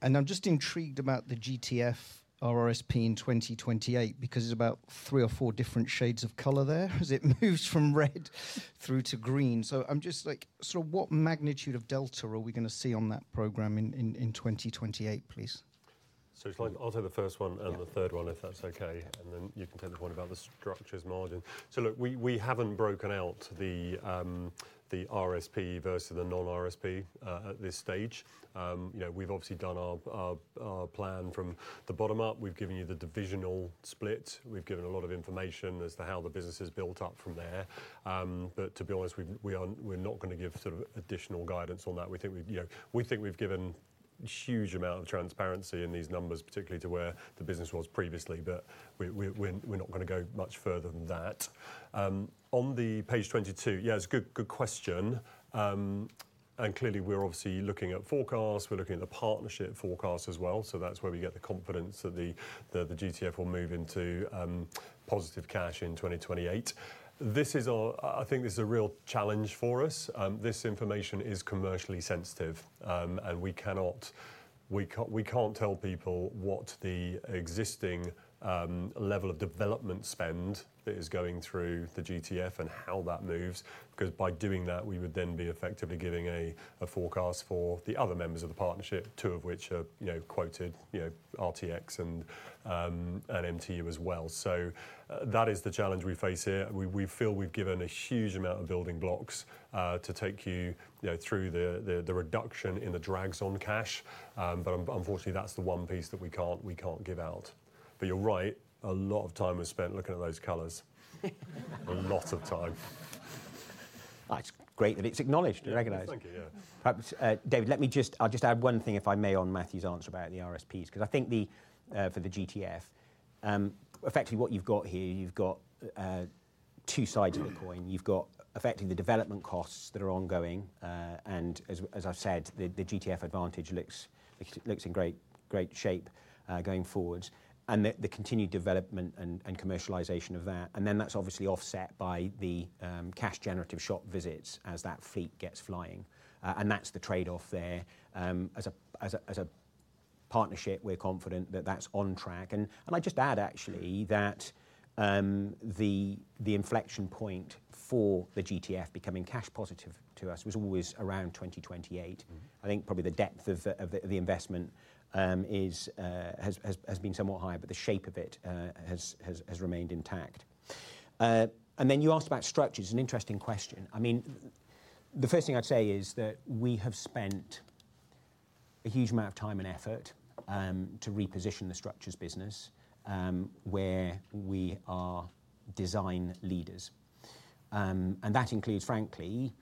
And I'm just intrigued about the GTF RRSP in 2028 because there's about three or four different shades of color there as it moves from red through to green. So, I'm just like, sort of what magnitude of delta are we going to see on that program in 2028, please? So, I'll take the first one and the third one, if that's okay. And then you can take the point about the Structures margin. So, look, we haven't broken out the RSP versus the non-RSP at this stage. We've obviously done our plan from the bottom up. We've given you the divisional split. We've given a lot of information as to how the business is built up from there. But to be honest, we're not going to give sort of additional guidance on that. We think we've given a huge amount of transparency in these numbers, particularly to where the business was previously, but we're not going to go much further than that. On page 22, yeah, it's a good question. And clearly, we're obviously looking at forecasts. We're looking at the partnership forecast as well. So, that's where we get the confidence that the GTF will move into positive cash in 2028. I think this is a real challenge for us. This information is commercially sensitive, and we can't tell people what the existing level of development spend that is going through the GTF and how that moves, because by doing that, we would then be effectively giving a forecast for the other members of the partnership, two of which are quoted, RTX and MTU as well. So, that is the challenge we face here. We feel we've given a huge amount of building blocks to take you through the reduction in the drags on cash, but unfortunately, that's the one piece that we can't give out. But you're right, a lot of time was spent looking at those colors. A lot of time. That's great that it's acknowledged and recognized. Thank you, yeah. David, let me just add one thing, if I may, on Matthew's answer about the RRSPs, because I think for the GTF, effectively what you've got here, you've got two sides of the coin. You've got effectively the development costs that are ongoing and, as I've said, the GTF Advantage looks in great shape going forward, and the continued development and commercialization of that, and then that's obviously offset by the cash generative shop visits as that fleet gets flying, and that's the trade-off there. As a partnership, we're confident that that's on track, and I'd just add, actually, that the inflection point for the GTF becoming cash positive to us was always around 2028. I think probably the depth of the investment has been somewhat higher, but the shape of it has remained intact, and then you asked about Structures. It's an interesting question. I mean, the first thing I'd say is that we have spent a huge amount of time and effort to reposition the Structures business where we are design leaders. And that includes, frankly,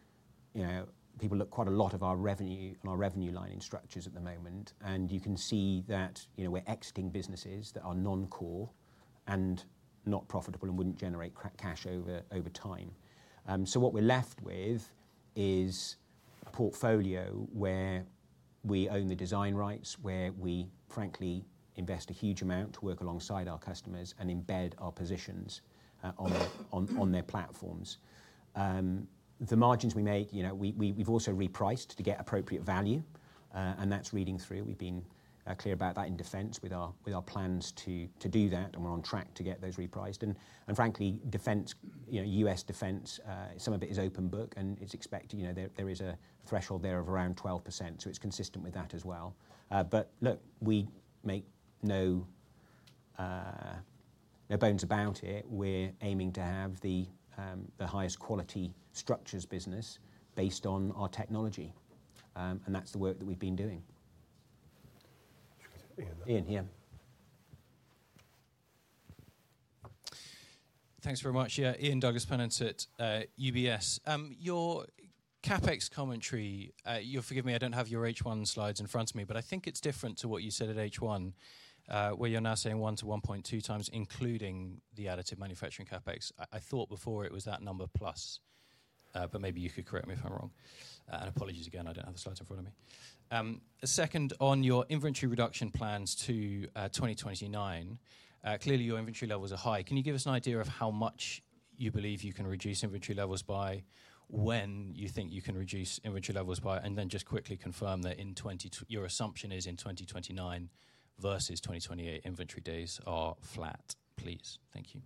people look quite a lot at our revenue line in Structures at the moment. And you can see that we're exiting businesses that are non-core and not profitable and wouldn't generate cash over time. So, what we're left with is a portfolio where we own the design rights, where we frankly invest a huge amount, work alongside our customers, and embed our positions on their platforms. The margins we make, we've also repriced to get appropriate value, and that's reading through. We've been clear about that in defence with our plans to do that, and we're on track to get those repriced. Frankly, Defence, U.S. defence, some of it is open book, and it's expected there is a threshold there of around 12%. So, it's consistent with that as well. But look, we make no bones about it. We're aiming to have the highest quality Structures business based on our technology. And that's the work that we've been doing. Ian here. Thanks very much. Ian Douglas-Pennant at UBS. Your CapEx commentary, you'll forgive me, I don't have your H1 slides in front of me, but I think it's different to what you said at H1, where you're now saying one to 1.2x, including the additive manufacturing CapEx. I thought before it was that number plus, but maybe you could correct me if I'm wrong. And apologies again, I don't have the slides in front of me. Second, on your inventory reduction plans to 2029, clearly your inventory levels are high. Can you give us an idea of how much you believe you can reduce inventory levels by, when you think you can reduce inventory levels by, and then just quickly confirm that your assumption is in 2029 versus 2028 inventory days are flat, please? Thank you.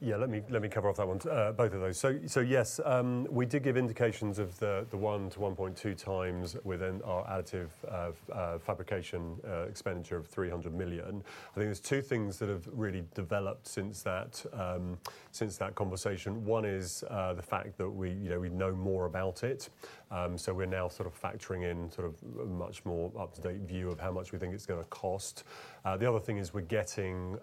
Yeah, let me cover off that one, both of those. So, yes, we did give indications of the one to 1.2x within our additive fabrication expenditure of 300 million. I think there's two things that have really developed since that conversation. One is the fact that we know more about it. So, we're now sort of factoring in sort of a much more up-to-date view of how much we think it's going to cost. The other thing is we're getting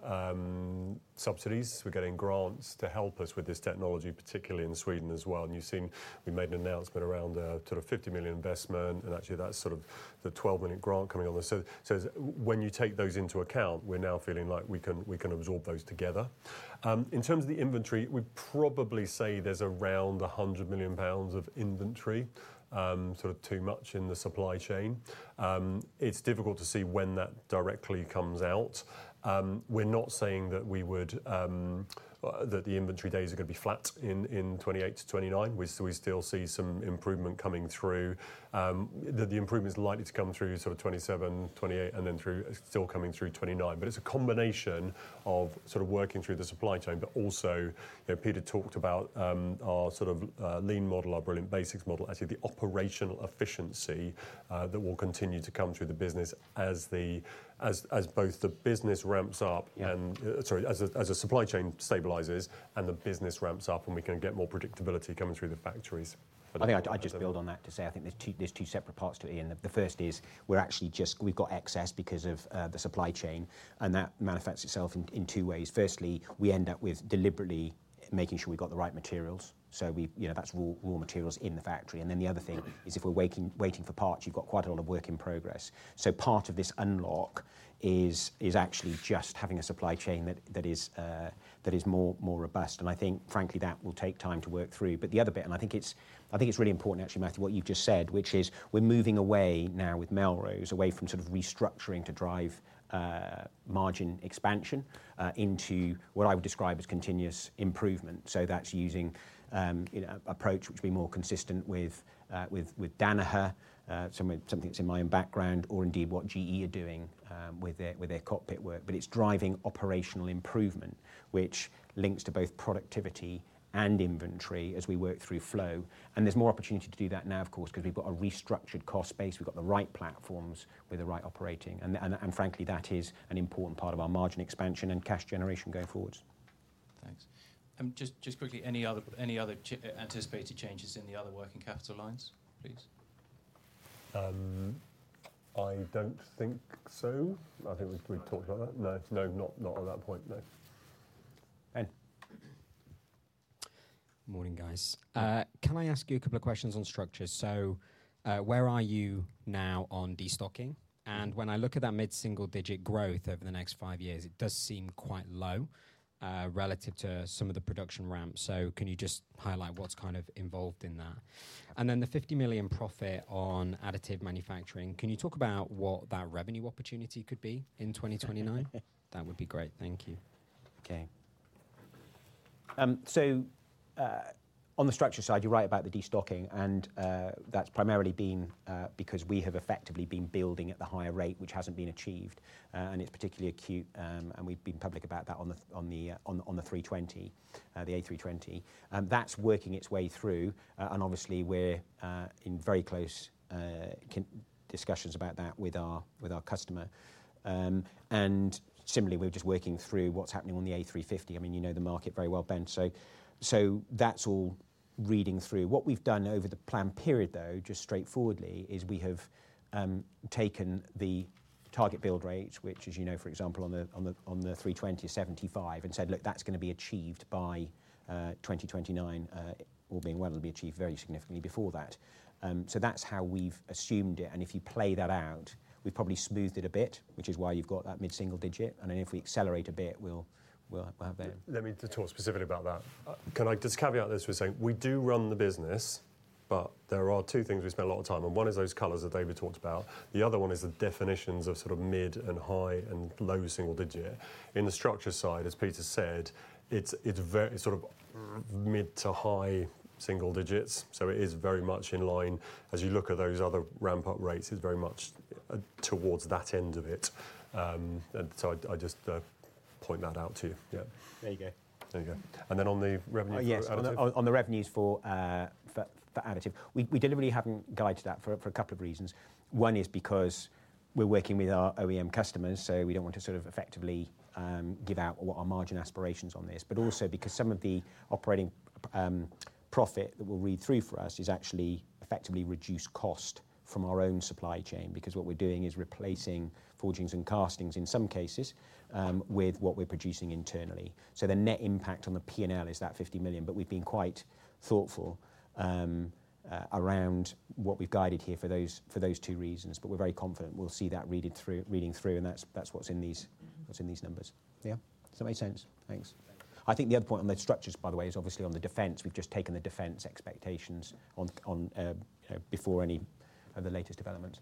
subsidies. We're getting grants to help us with this technology, particularly in Sweden as well. You've seen we made an announcement around a sort of 50 million investment, and actually that's sort of the 12 million grant coming on this. So, when you take those into account, we're now feeling like we can absorb those together. In terms of the inventory, we'd probably say there's around 100 million pounds of inventory, sort of too much in the supply chain. It's difficult to see when that directly comes out. We're not saying that the inventory days are going to be flat in 2028-2029. We still see some improvement coming through. The improvement is likely to come through sort of 2027, 2028, and then still coming through 2029. But it's a combination of sort of working through the supply chain, but also Peter talked about our sort of lean model, our Brilliant Basics model, actually the operational efficiency that will continue to come through the business as both the business ramps up, sorry, as the supply chain stabilizes and the business ramps up, and we can get more predictability coming through the factories. I think I'd just build on that to say I think there's two separate parts to it, Ian. The first is we've got excess because of the supply chain, and that manifests itself in two ways. Firstly, we end up with deliberately making sure we've got the right materials. So, that's raw materials in the factory. And then the other thing is if we're waiting for parts, you've got quite a lot of work in progress. So, part of this unlock is actually just having a supply chain that is more robust. And I think, frankly, that will take time to work through. But the other bit, and I think it's really important actually, Matthew, what you've just said, which is we're moving away now with Melrose away from sort of restructuring to drive margin expansion into what I would describe as continuous improvement. So, that's using an approach which would be more consistent with Danaher, something that's in my own background, or indeed what GE are doing with their cockpit work. But it's driving operational improvement, which links to both productivity and inventory as we work through flow. And there's more opportunity to do that now, of course, because we've got a restructured cost base. We've got the right platforms with the right operating. Frankly, that is an important part of our margin expansion and cash generation going forward. Thanks. Just quickly, any other anticipated changes in the other working capital lines, please? I don't think so. I think we've talked about that. No, not at that point, no. Morning, guys. Can I ask you a couple of questions on Structures? So, where are you now on destocking? And when I look at that mid-single-digit growth over the next five years, it does seem quite low relative to some of the production ramp. So, can you just highlight what's kind of involved in that? And then the 50 million profit on additive manufacturing, can you talk about what that revenue opportunity could be in 2029? That would be great. Thank you. Okay. So, on the Structures side, you're right about the destocking, and that's primarily been because we have effectively been building at the higher rate, which hasn't been achieved. And it's particularly acute, and we've been public about that on the 320, the A320. That's working its way through, and obviously, we're in very close discussions about that with our customer. And similarly, we're just working through what's happening on the A350. I mean, you know the market very well, Ben. So, that's all reading through. What we've done over the planned period, though, just straightforwardly, is we have taken the target build rate, which, as you know, for example, on the 320 is 75, and said, "Look, that's going to be achieved by 2029," or being well, it'll be achieved very significantly before that. So, that's how we've assumed it. And if you play that out, we've probably smoothed it a bit, which is why you've got that mid-single digit. And then if we accelerate a bit, we'll have that. Let me talk specifically about that. Can I just caveat this with saying we do run the business, but there are two things we spend a lot of time. And one is those colors that David talked about. The other one is the definitions of sort of mid and high and low single digit. In the Structures side, as Peter said, it's sort of mid to high single digits. So, it is very much in line. As you look at those other ramp-up rates, it's very much towards that end of it. So, I just point that out to you. Yeah. There you go. There you go. And then on the revenue for additive. On the revenues for additive, we deliberately haven't guided that for a couple of reasons. One is because we're working with our OEM customers, so we don't want to sort of effectively give out what our margin aspirations on this. But also because some of the operating profit that will read through for us is actually effectively reduced cost from our own supply chain, because what we're doing is replacing forgings and castings in some cases with what we're producing internally. So, the net impact on the P&L is that 50 million, but we've been quite thoughtful around what we've guided here for those two reasons. But we're very confident we'll see that reading through, and that's what's in these numbers. Yeah. That makes sense. Thanks. I think the other point on the Structures, by the way, is obviously on the defence. We've just taken the defence expectations before any of the latest developments.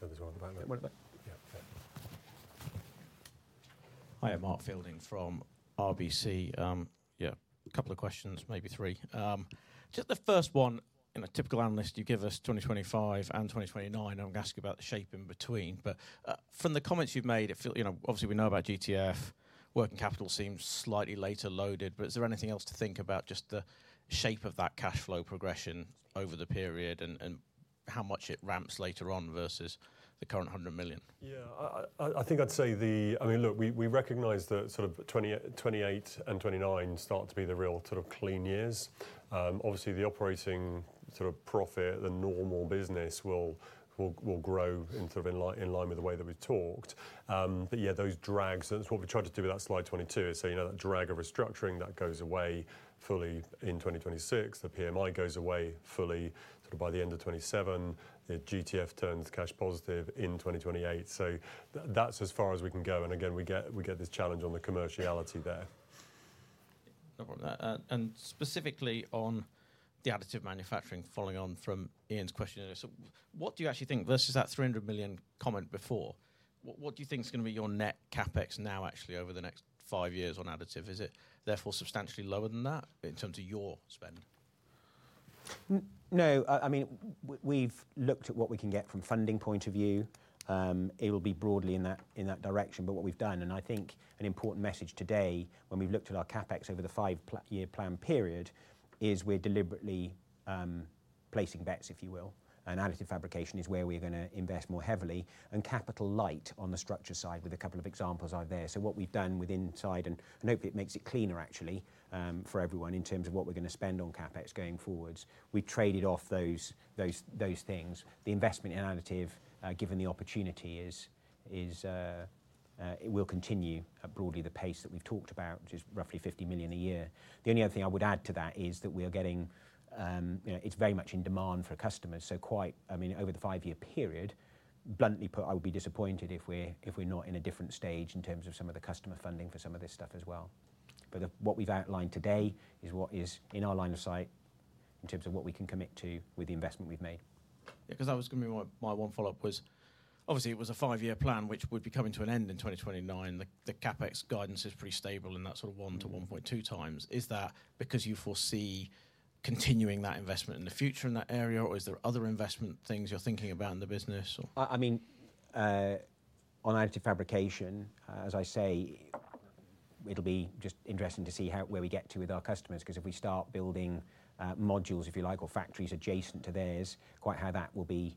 Go this way on the back. Yeah. Hi, I'm Mark Fielding from RBC. Yeah, a couple of questions, maybe three. Just the first one, in a typical analyst, you give us 2025 and 2029. I'm going to ask you about the shape in between. But from the comments you've made, obviously we know about GTF, working capital seems slightly later loaded, but is there anything else to think about just the shape of that cash flow progression over the period and how much it ramps later on versus the current 100 million? Yeah, I think I'd say the, I mean, look, we recognise that sort of 28 and 29 start to be the real sort of clean years. Obviously, the operating sort of profit, the normal business will grow in sort of in line with the way that we've talked. But yeah, those drags, that's what we tried to do with that slide 22. So, you know that drag of restructuring that goes away fully in 2026. The PMI goes away fully sort of by the end of 2027. The GTF turns cash positive in 2028. So, that's as far as we can go. And again, we get this challenge on the commerciality there. No problem. And specifically on the additive manufacturing following on from Ian's question, what do you actually think versus that 300 million comment before? What do you think is going to be your net CapEx now actually over the next five years on additive? Is it therefore substantially lower than that in terms of your spend? No, I mean, we've looked at what we can get from a funding point of view. It will be broadly in that direction, but what we've done, and I think an important message today when we've looked at our CapEx over the five-year plan period, is we're deliberately placing bets, if you will, and additive fabrication is where we're going to invest more heavily, and capital light on the Structures side with a couple of examples out there, so what we've done with insight, and hopefully it makes it cleaner actually for everyone in terms of what we're going to spend on CapEx going forwards, we've traded off those things. The investment in additive, given the opportunity, will continue at broadly the pace that we've talked about, which is roughly 50 million a year. The only other thing I would add to that is that we're getting. It's very much in demand for customers. So, quite, I mean, over the five-year period, bluntly put, I would be disappointed if we're not in a different stage in terms of some of the customer funding for some of this stuff as well. But what we've outlined today is what is in our line of sight in terms of what we can commit to with the investment we've made. Yeah, because that was going to be my one follow-up was, obviously it was a five-year plan, which would be coming to an end in 2029. The CapEx guidance is pretty stable in that sort of 1-1.2x. Is that because you foresee continuing that investment in the future in that area, or is there other investment things you're thinking about in the business? I mean, on additive fabrication, as I say, it'll be just interesting to see where we get to with our customers, because if we start building modules, if you like, or factories adjacent to theirs, quite how that will be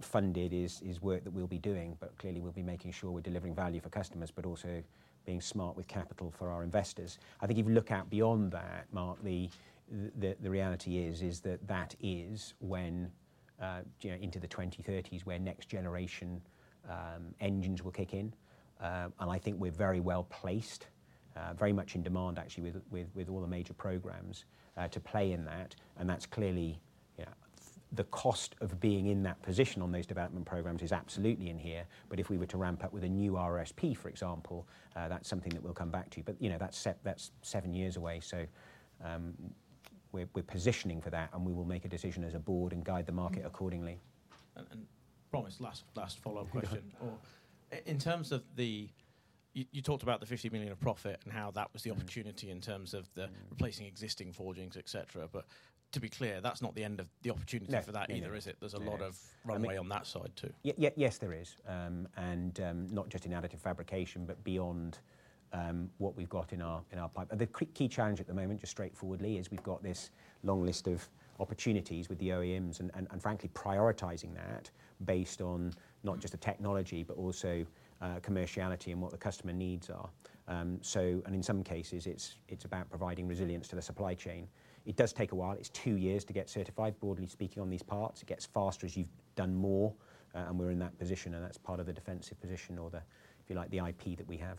funded is work that we'll be doing, but clearly, we'll be making sure we're delivering value for customers, but also being smart with capital for our investors. I think if you look out beyond that, Mark, the reality is that that is when, into the 2030s, where next generation engines will kick in, and I think we're very well placed, very much in demand actually with all the major programs to play in that, and that's clearly the cost of being in that position on those development programs is absolutely in here. But if we were to ramp up with a new RSP, for example, that's something that we'll come back to. But that's seven years away. So, we're positioning for that, and we will make a decision as a board and guide the market accordingly. And promise, last follow-up question. In terms of the, you talked about the 50 million of profit and how that was the opportunity in terms of replacing existing forgings, etc. But to be clear, that's not the end of the opportunity for that either, is it? There's a lot of runway on that side too. Yes, there is. And not just in additive fabrication, but beyond what we've got in our pipeline. The key challenge at the moment, just straightforwardly, is we've got this long list of opportunities with the OEMs and frankly prioritizing that based on not just the technology, but also commerciality and what the customer needs are. So, and in some cases, it's about providing resilience to the supply chain. It does take a while. It's two years to get certified, broadly speaking, on these parts. It gets faster as you've done more, and we're in that position, and that's part of the defensive position or the, if you like, the IP that we have.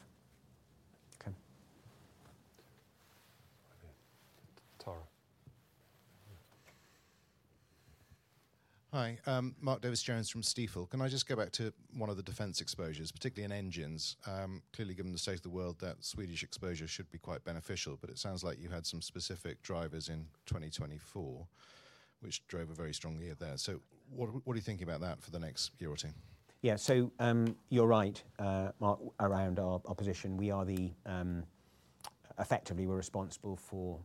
Okay. Tara. Hi, Mark Davies Jones from Stifel. Can I just go back to one of the defence exposures, particularly in Engines? Clearly, given the state of the world, that Swedish exposure should be quite beneficial, but it sounds like you had some specific drivers in 2024, which drove a very strong year there. So, what are you thinking about that for the next year or two? Yeah, so you're right, Mark, around our position. We are, effectively, we're responsible for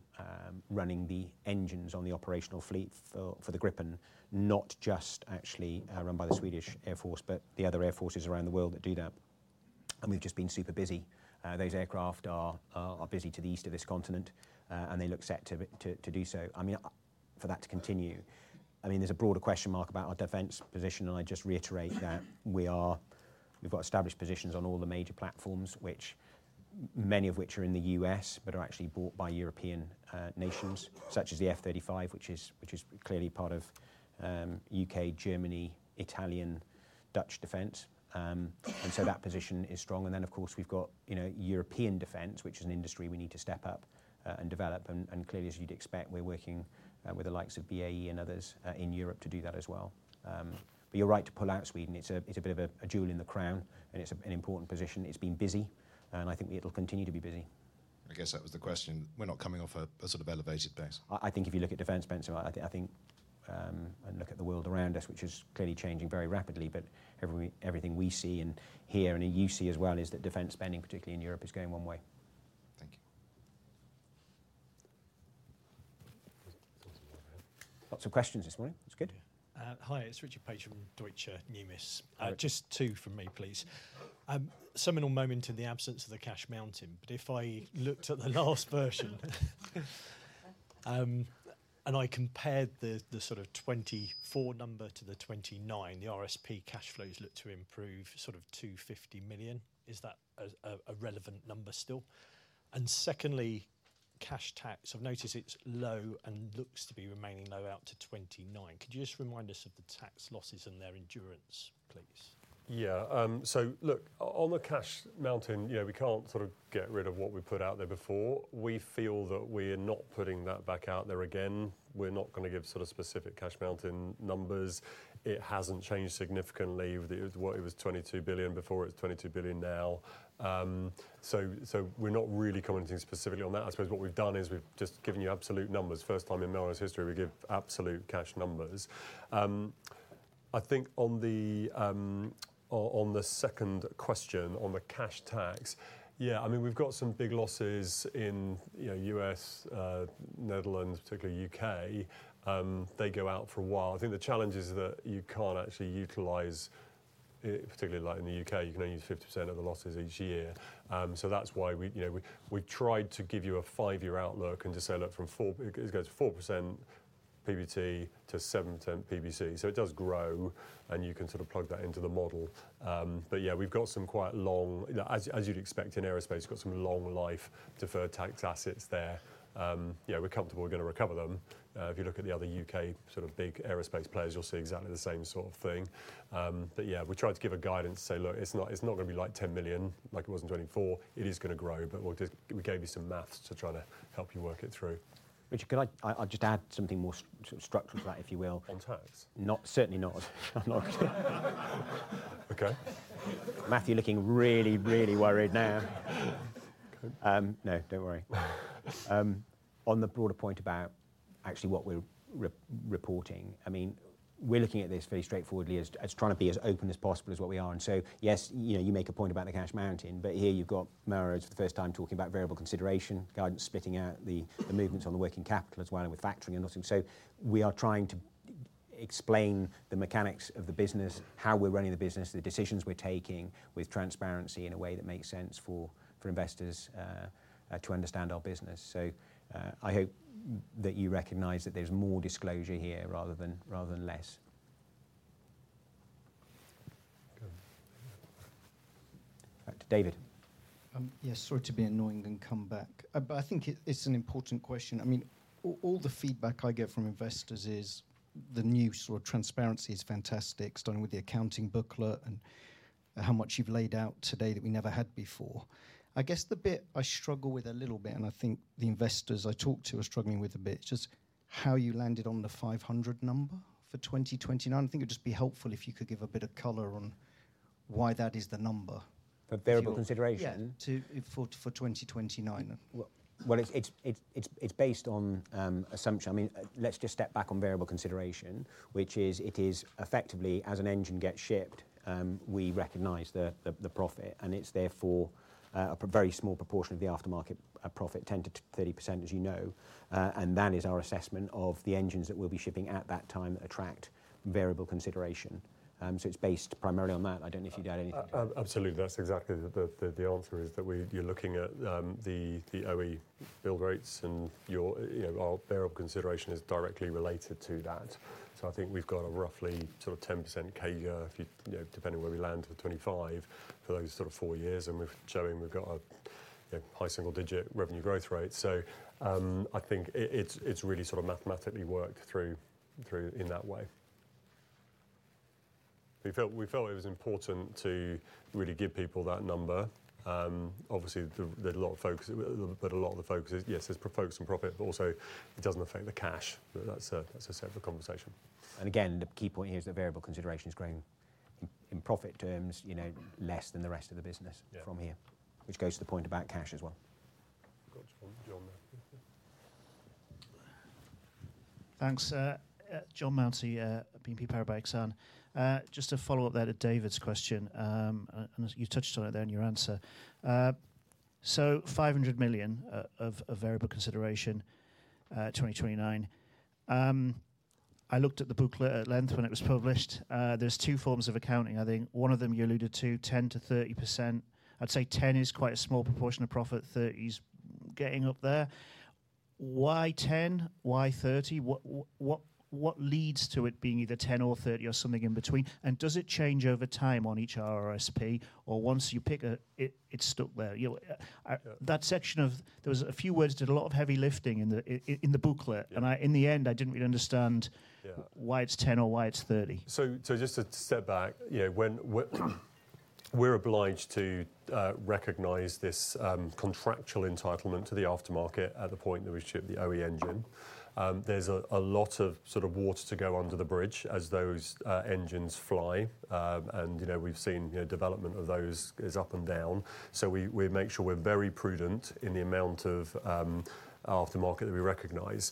running the engines on the operational fleet for the Gripen, not just actually run by the Swedish Air Force, but the other air forces around the world that do that. And we've just been super busy. Those aircraft are busy to the east of this continent, and they look set to do so. I mean, for that to continue, I mean, there's a broader question mark about our Defence position, and I just reiterate that we've got established positions on all the major platforms, many of which are in the U.S., but are actually bought by European nations, such as the F-35, which is clearly part of U.K., Germany, Italian, Dutch defence. And so that position is strong. And then, of course, we've got European defence, which is an industry we need to step up and develop. And clearly, as you'd expect, we're working with the likes of BAE and others in Europe to do that as well. But you're right to pull out Sweden. It's a bit of a jewel in the crown, and it's an important position. It's been busy, and I think it'll continue to be busy. I guess that was the question. We're not coming off a sort of elevated base. I think if you look at defence spend, I think, and look at the world around us, which is clearly changing very rapidly, but everything we see and hear and you see as well is that defence spending, particularly in Europe, is going one way. Thank you. Lots of questions this morning. It's good. Hi, it's Richard Page from Deutsche Numis. Just two from me, please. Seminal moment in the absence of the cash mountain, but if I looked at the last version and I compared the sort of 2024 number to the 2029, the RSP cash flows look to improve sort of to 50 million. Is that a relevant number still? And secondly, cash tax, I've noticed it's low and looks to be remaining low out to 2029. Could you just remind us of the tax losses and their endurance, please? Yeah, so look, on the cash mountain, you know we can't sort of get rid of what we put out there before. We feel that we are not putting that back out there again. We're not going to give sort of specific cash mountain numbers. It hasn't changed significantly. It was 22 billion before. It's 22 billion now. So, we're not really commenting specifically on that. I suppose what we've done is we've just given you absolute numbers. First time in Melrose history, we give absolute cash numbers. I think on the second question on the cash tax, yeah, I mean, we've got some big losses in U.S., Netherlands, particularly U.K. They go out for a while. I think the challenge is that you can't actually utilize it, particularly like in the U.K. You can only use 50% of the losses each year. So, that's why we tried to give you a five-year outlook and to say, look, from 4% PBT to 7% PBT. So, it does grow, and you can sort of plug that into the model. But yeah, we've got some quite long, as you'd expect in aerospace, you've got some long-life deferred tax assets there. Yeah, we're comfortable we're going to recover them. If you look at the other U.K. sort of big aerospace players, you'll see exactly the same sort of thing. But yeah, we tried to give a guidance to say, look, it's not going to be like 10 million like it was in 2024. It is going to grow, but we gave you some math to try to help you work it through. Richard, can I just add something more structural to that, if you will? On tax? No, certainly not. I'm not going to. Okay. Matthew, looking really, really worried now. No, don't worry. On the broader point about actually what we're reporting, I mean, we're looking at this very straightforwardly as trying to be as open as possible as what we are. Yes, you make a point about the cash mountain, but here you've got Melrose for the first time talking about variable consideration, guidance spitting out the movements on the working capital as well and with factoring and nothing. We are trying to explain the mechanics of the business, how we're running the business, the decisions we're taking with transparency in a way that makes sense for investors to understand our business. I hope that you recognize that there's more disclosure here rather than less. David. Yes, sorry to be annoying and come back. I think it's an important question. I mean, all the feedback I get from investors is the new sort of transparency is fantastic, starting with the accounting booklet and how much you've laid out today that we never had before. I guess the bit I struggle with a little bit, and I think the investors I talk to are struggling with a bit, is just how you landed on the 500 number for 2029. I think it would just be helpful if you could give a bit of color on why that is the number. The variable consideration. Yeah, for 2029. Well, it's based on assumption. I mean, let's just step back on variable consideration, which is it is effectively, as an engine gets shipped, we recognize the profit, and it's therefore a very small proportion of the aftermarket profit, 10%-30%, as you know. And that is our assessment of the Engines that we'll be shipping at that time that attract variable consideration. So, it's based primarily on that. I don't know if you'd add anything. Absolutely. That's exactly the answer is that you're looking at the OE build rates, and our variable consideration is directly related to that. So, I think we've got a roughly sort of 10% CAGR, depending where we land for 2025, for those sort of four years. And we're showing we've got a high single-digit revenue growth rate. So, I think it's really sort of mathematically worked through in that way. We felt it was important to really give people that number. Obviously, there's a lot of focus, but a lot of the focus is, yes, there's focus on profit, but also it doesn't affect the cash. That's a separate conversation. And again, the key point here is that variable consideration is growing in profit terms, less than the rest of the business from here, which goes to the point about cash as well. Thanks, John Mount, BNP Paribas Exane. Just to follow up there to David's question, and you touched on it there in your answer. So, 500 million of variable consideration, 2029. I looked at the booklet at length when it was published. There's two forms of accounting, I think. One of them you alluded to, 10%-30%. I'd say 10 is quite a small proportion of profit, 30 is getting up there. Why 10? Why 30? What leads to it being either 10 or 30 or something in between? And does it change over time on each RSP, or once you pick it, it's stuck there? That section of there was a few words that did a lot of heavy lifting in the booklet. And in the end, I didn't really understand why it's 10 or why it's 30. So, just to step back, we're obliged to recognize this contractual entitlement to the aftermarket at the point that we ship the OE engine. There's a lot of sort of water to go under the bridge as those engines fly. And we've seen development of those is up and down. So, we make sure we're very prudent in the amount of aftermarket that we recognize.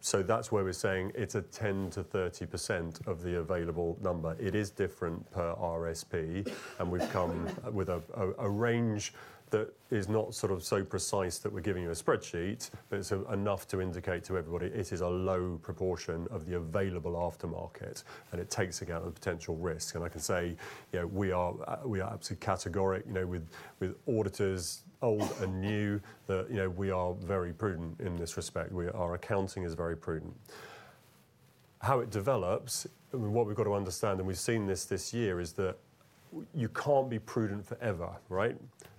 So, that's where we're saying it's a 10%-30% of the available number. It is different per RSP, and we've come with a range that is not sort of so precise that we're giving you a spreadsheet, but it's enough to indicate to everybody it is a low proportion of the available aftermarket, and it takes account of potential risk. And I can say we are absolutely categorical with auditors, old and new, that we are very prudent in this respect. Our accounting is very prudent. How it develops, what we've got to understand, and we've seen this year, is that you can't be prudent forever, right?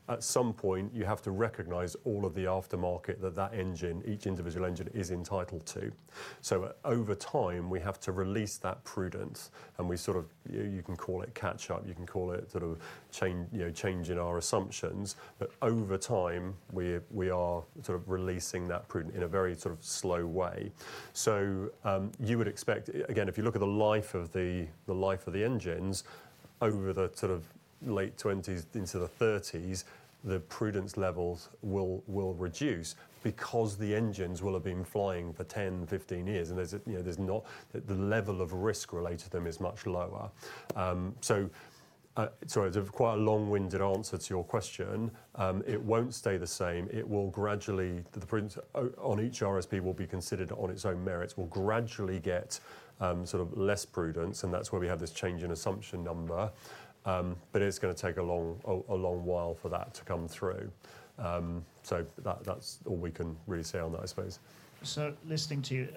At some point, you have to recognize all of the aftermarket that engine, each individual engine, is entitled to. So, over time, we have to release that prudence, and we sort of, you can call it catch-up, you can call it sort of changing our assumptions, but over time, we are sort of releasing that prudence in a very sort of slow way. So, you would expect, again, if you look at the life of the engines over the sort of late 20s into the 30s, the prudence levels will reduce because the engines will have been flying for 10, 15 years, and there's not the level of risk related to them is much lower. So, it's quite a long-winded answer to your question. It won't stay the same. It will gradually, the prudence on each RRSP will be considered on its own merits, will gradually get sort of less prudence, and that's where we have this change in assumption number. But it's going to take a long while for that to come through. So, that's all we can really say on that, I suppose. So, listening to you,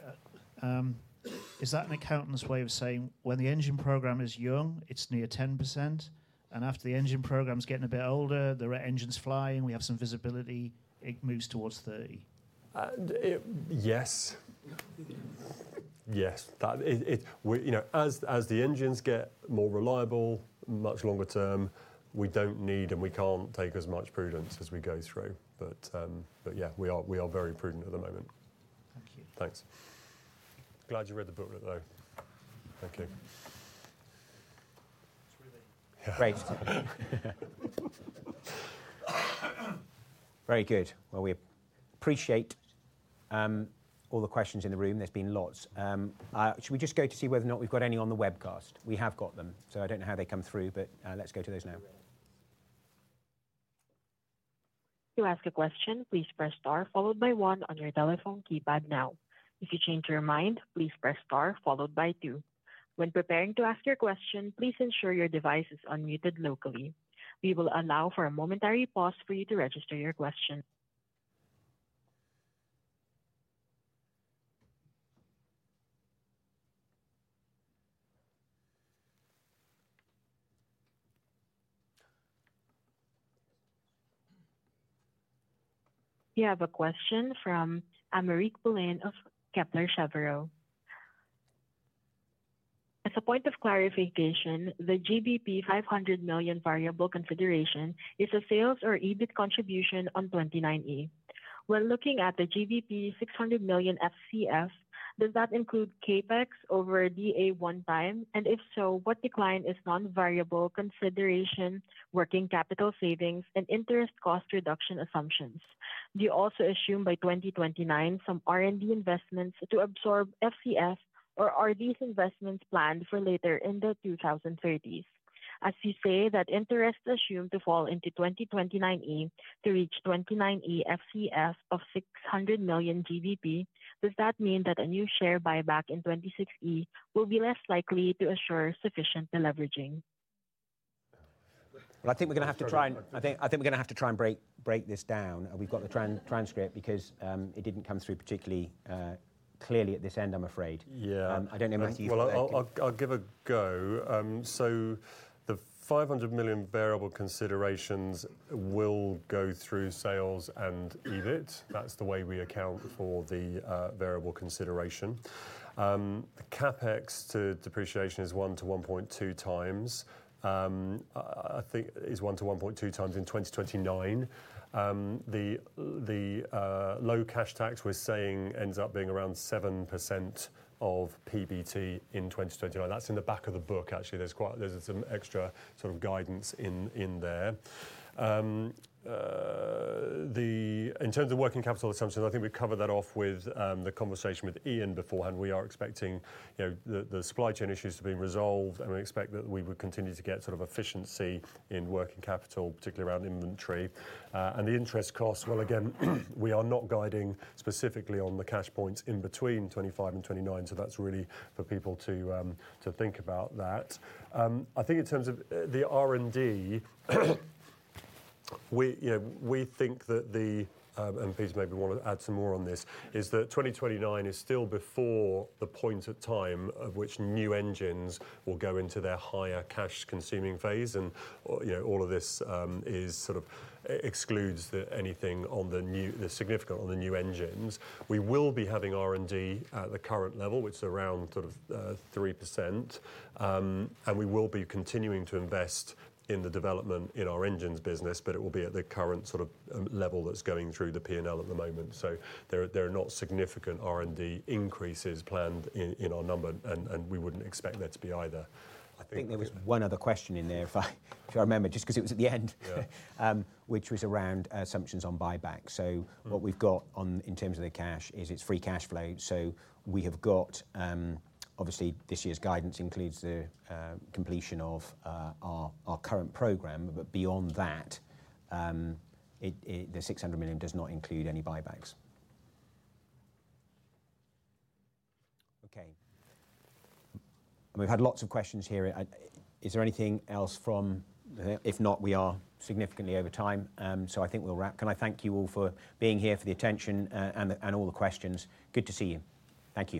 is that an accountant's way of saying when the engine program is young, it's near 10%, and after the engine program's getting a bit older, the engine's flying, we have some visibility, it moves towards 30%? Yes. Yes. As the engines get more reliable, much longer term, we don't need and we can't take as much prudence as we go through. But yeah, we are very prudent at the moment. Thank you. Thanks. Glad you read the booklet, though. Thank you. It's really great. Very good. Well, we appreciate all the questions in the room. There's been lots. Should we just go to see whether or not we've got any on the webcast? We have got them, so I don't know how they come through, but let's go to those now. To ask a question, please press star followed by one on your telephone keypad now. If you change your mind, please press star followed by two. When preparing to ask your question, please ensure your device is unmuted locally. We will allow for a momentary pause for you to register your question. We have a question from Aymeric Poulain of Kepler Cheuvreux. As a point of clarification, the GBP 500 million variable consideration is a sales or EBIT contribution on 29E. When looking at the 600 million FCF, does that include CapEx over D&A one time? And if so, what decline is non-variable consideration, working capital savings, and interest cost reduction assumptions? Do you also assume by 2029 some R&D investments to absorb FCF, or are these investments planned for later in the 2030s? As you say that interest is assumed to fall into 2029E to reach 29E FCF of 600 million, does that mean that a new share buyback in 26E will be less likely to assure sufficient leveraging? Well, I think we're going to have to try and I think we're going to have to try and break this down. We've got the transcript because it didn't come through particularly clearly at this end, I'm afraid. Yeah. I don't know if you've got it. Well, I'll give a go. The 500 million variable considerations will go through sales and EBIT. That's the way we account for the variable consideration. The CapEx to depreciation is 1-1.2 times, I think is 1-1.2 times in 2029. The low cash tax we're saying ends up being around 7% of PBT in 2029. That's in the back of the book, actually. There's some extra sort of guidance in there. In terms of working capital assumptions, I think we've covered that off with the conversation with Ian beforehand. We are expecting the supply chain issues to be resolved, and we expect that we would continue to get sort of efficiency in working capital, particularly around inventory. The interest costs, well, again, we are not guiding specifically on the cash points in between 2025 and 2029, so that's really for people to think about that. I think in terms of the R&D, we think that the, and please maybe want to add some more on this, is that 2029 is still before the point of time of which new engines will go into their higher cash-consuming phase, and all of this sort of excludes anything significant on the new engines. We will be having R&D at the current level, which is around sort of 3%, and we will be continuing to invest in the development in our Engines business, but it will be at the current sort of level that's going through the P&L at the moment. So, there are not significant R&D increases planned in our number, and we wouldn't expect there to be either. I think there was one other question in there, if I remember, just because it was at the end, which was around assumptions on buyback. So, what we've got in terms of the cash is, it's free cash flow. So, we have got, obviously, this year's guidance includes the completion of our current program, but beyond that, the 600 million does not include any buybacks. Okay. We've had lots of questions here. Is there anything else from? If not, we are significantly over time. So, I think we'll wrap. Can I thank you all for being here, for the attention, and all the questions? Good to see you. Thank you.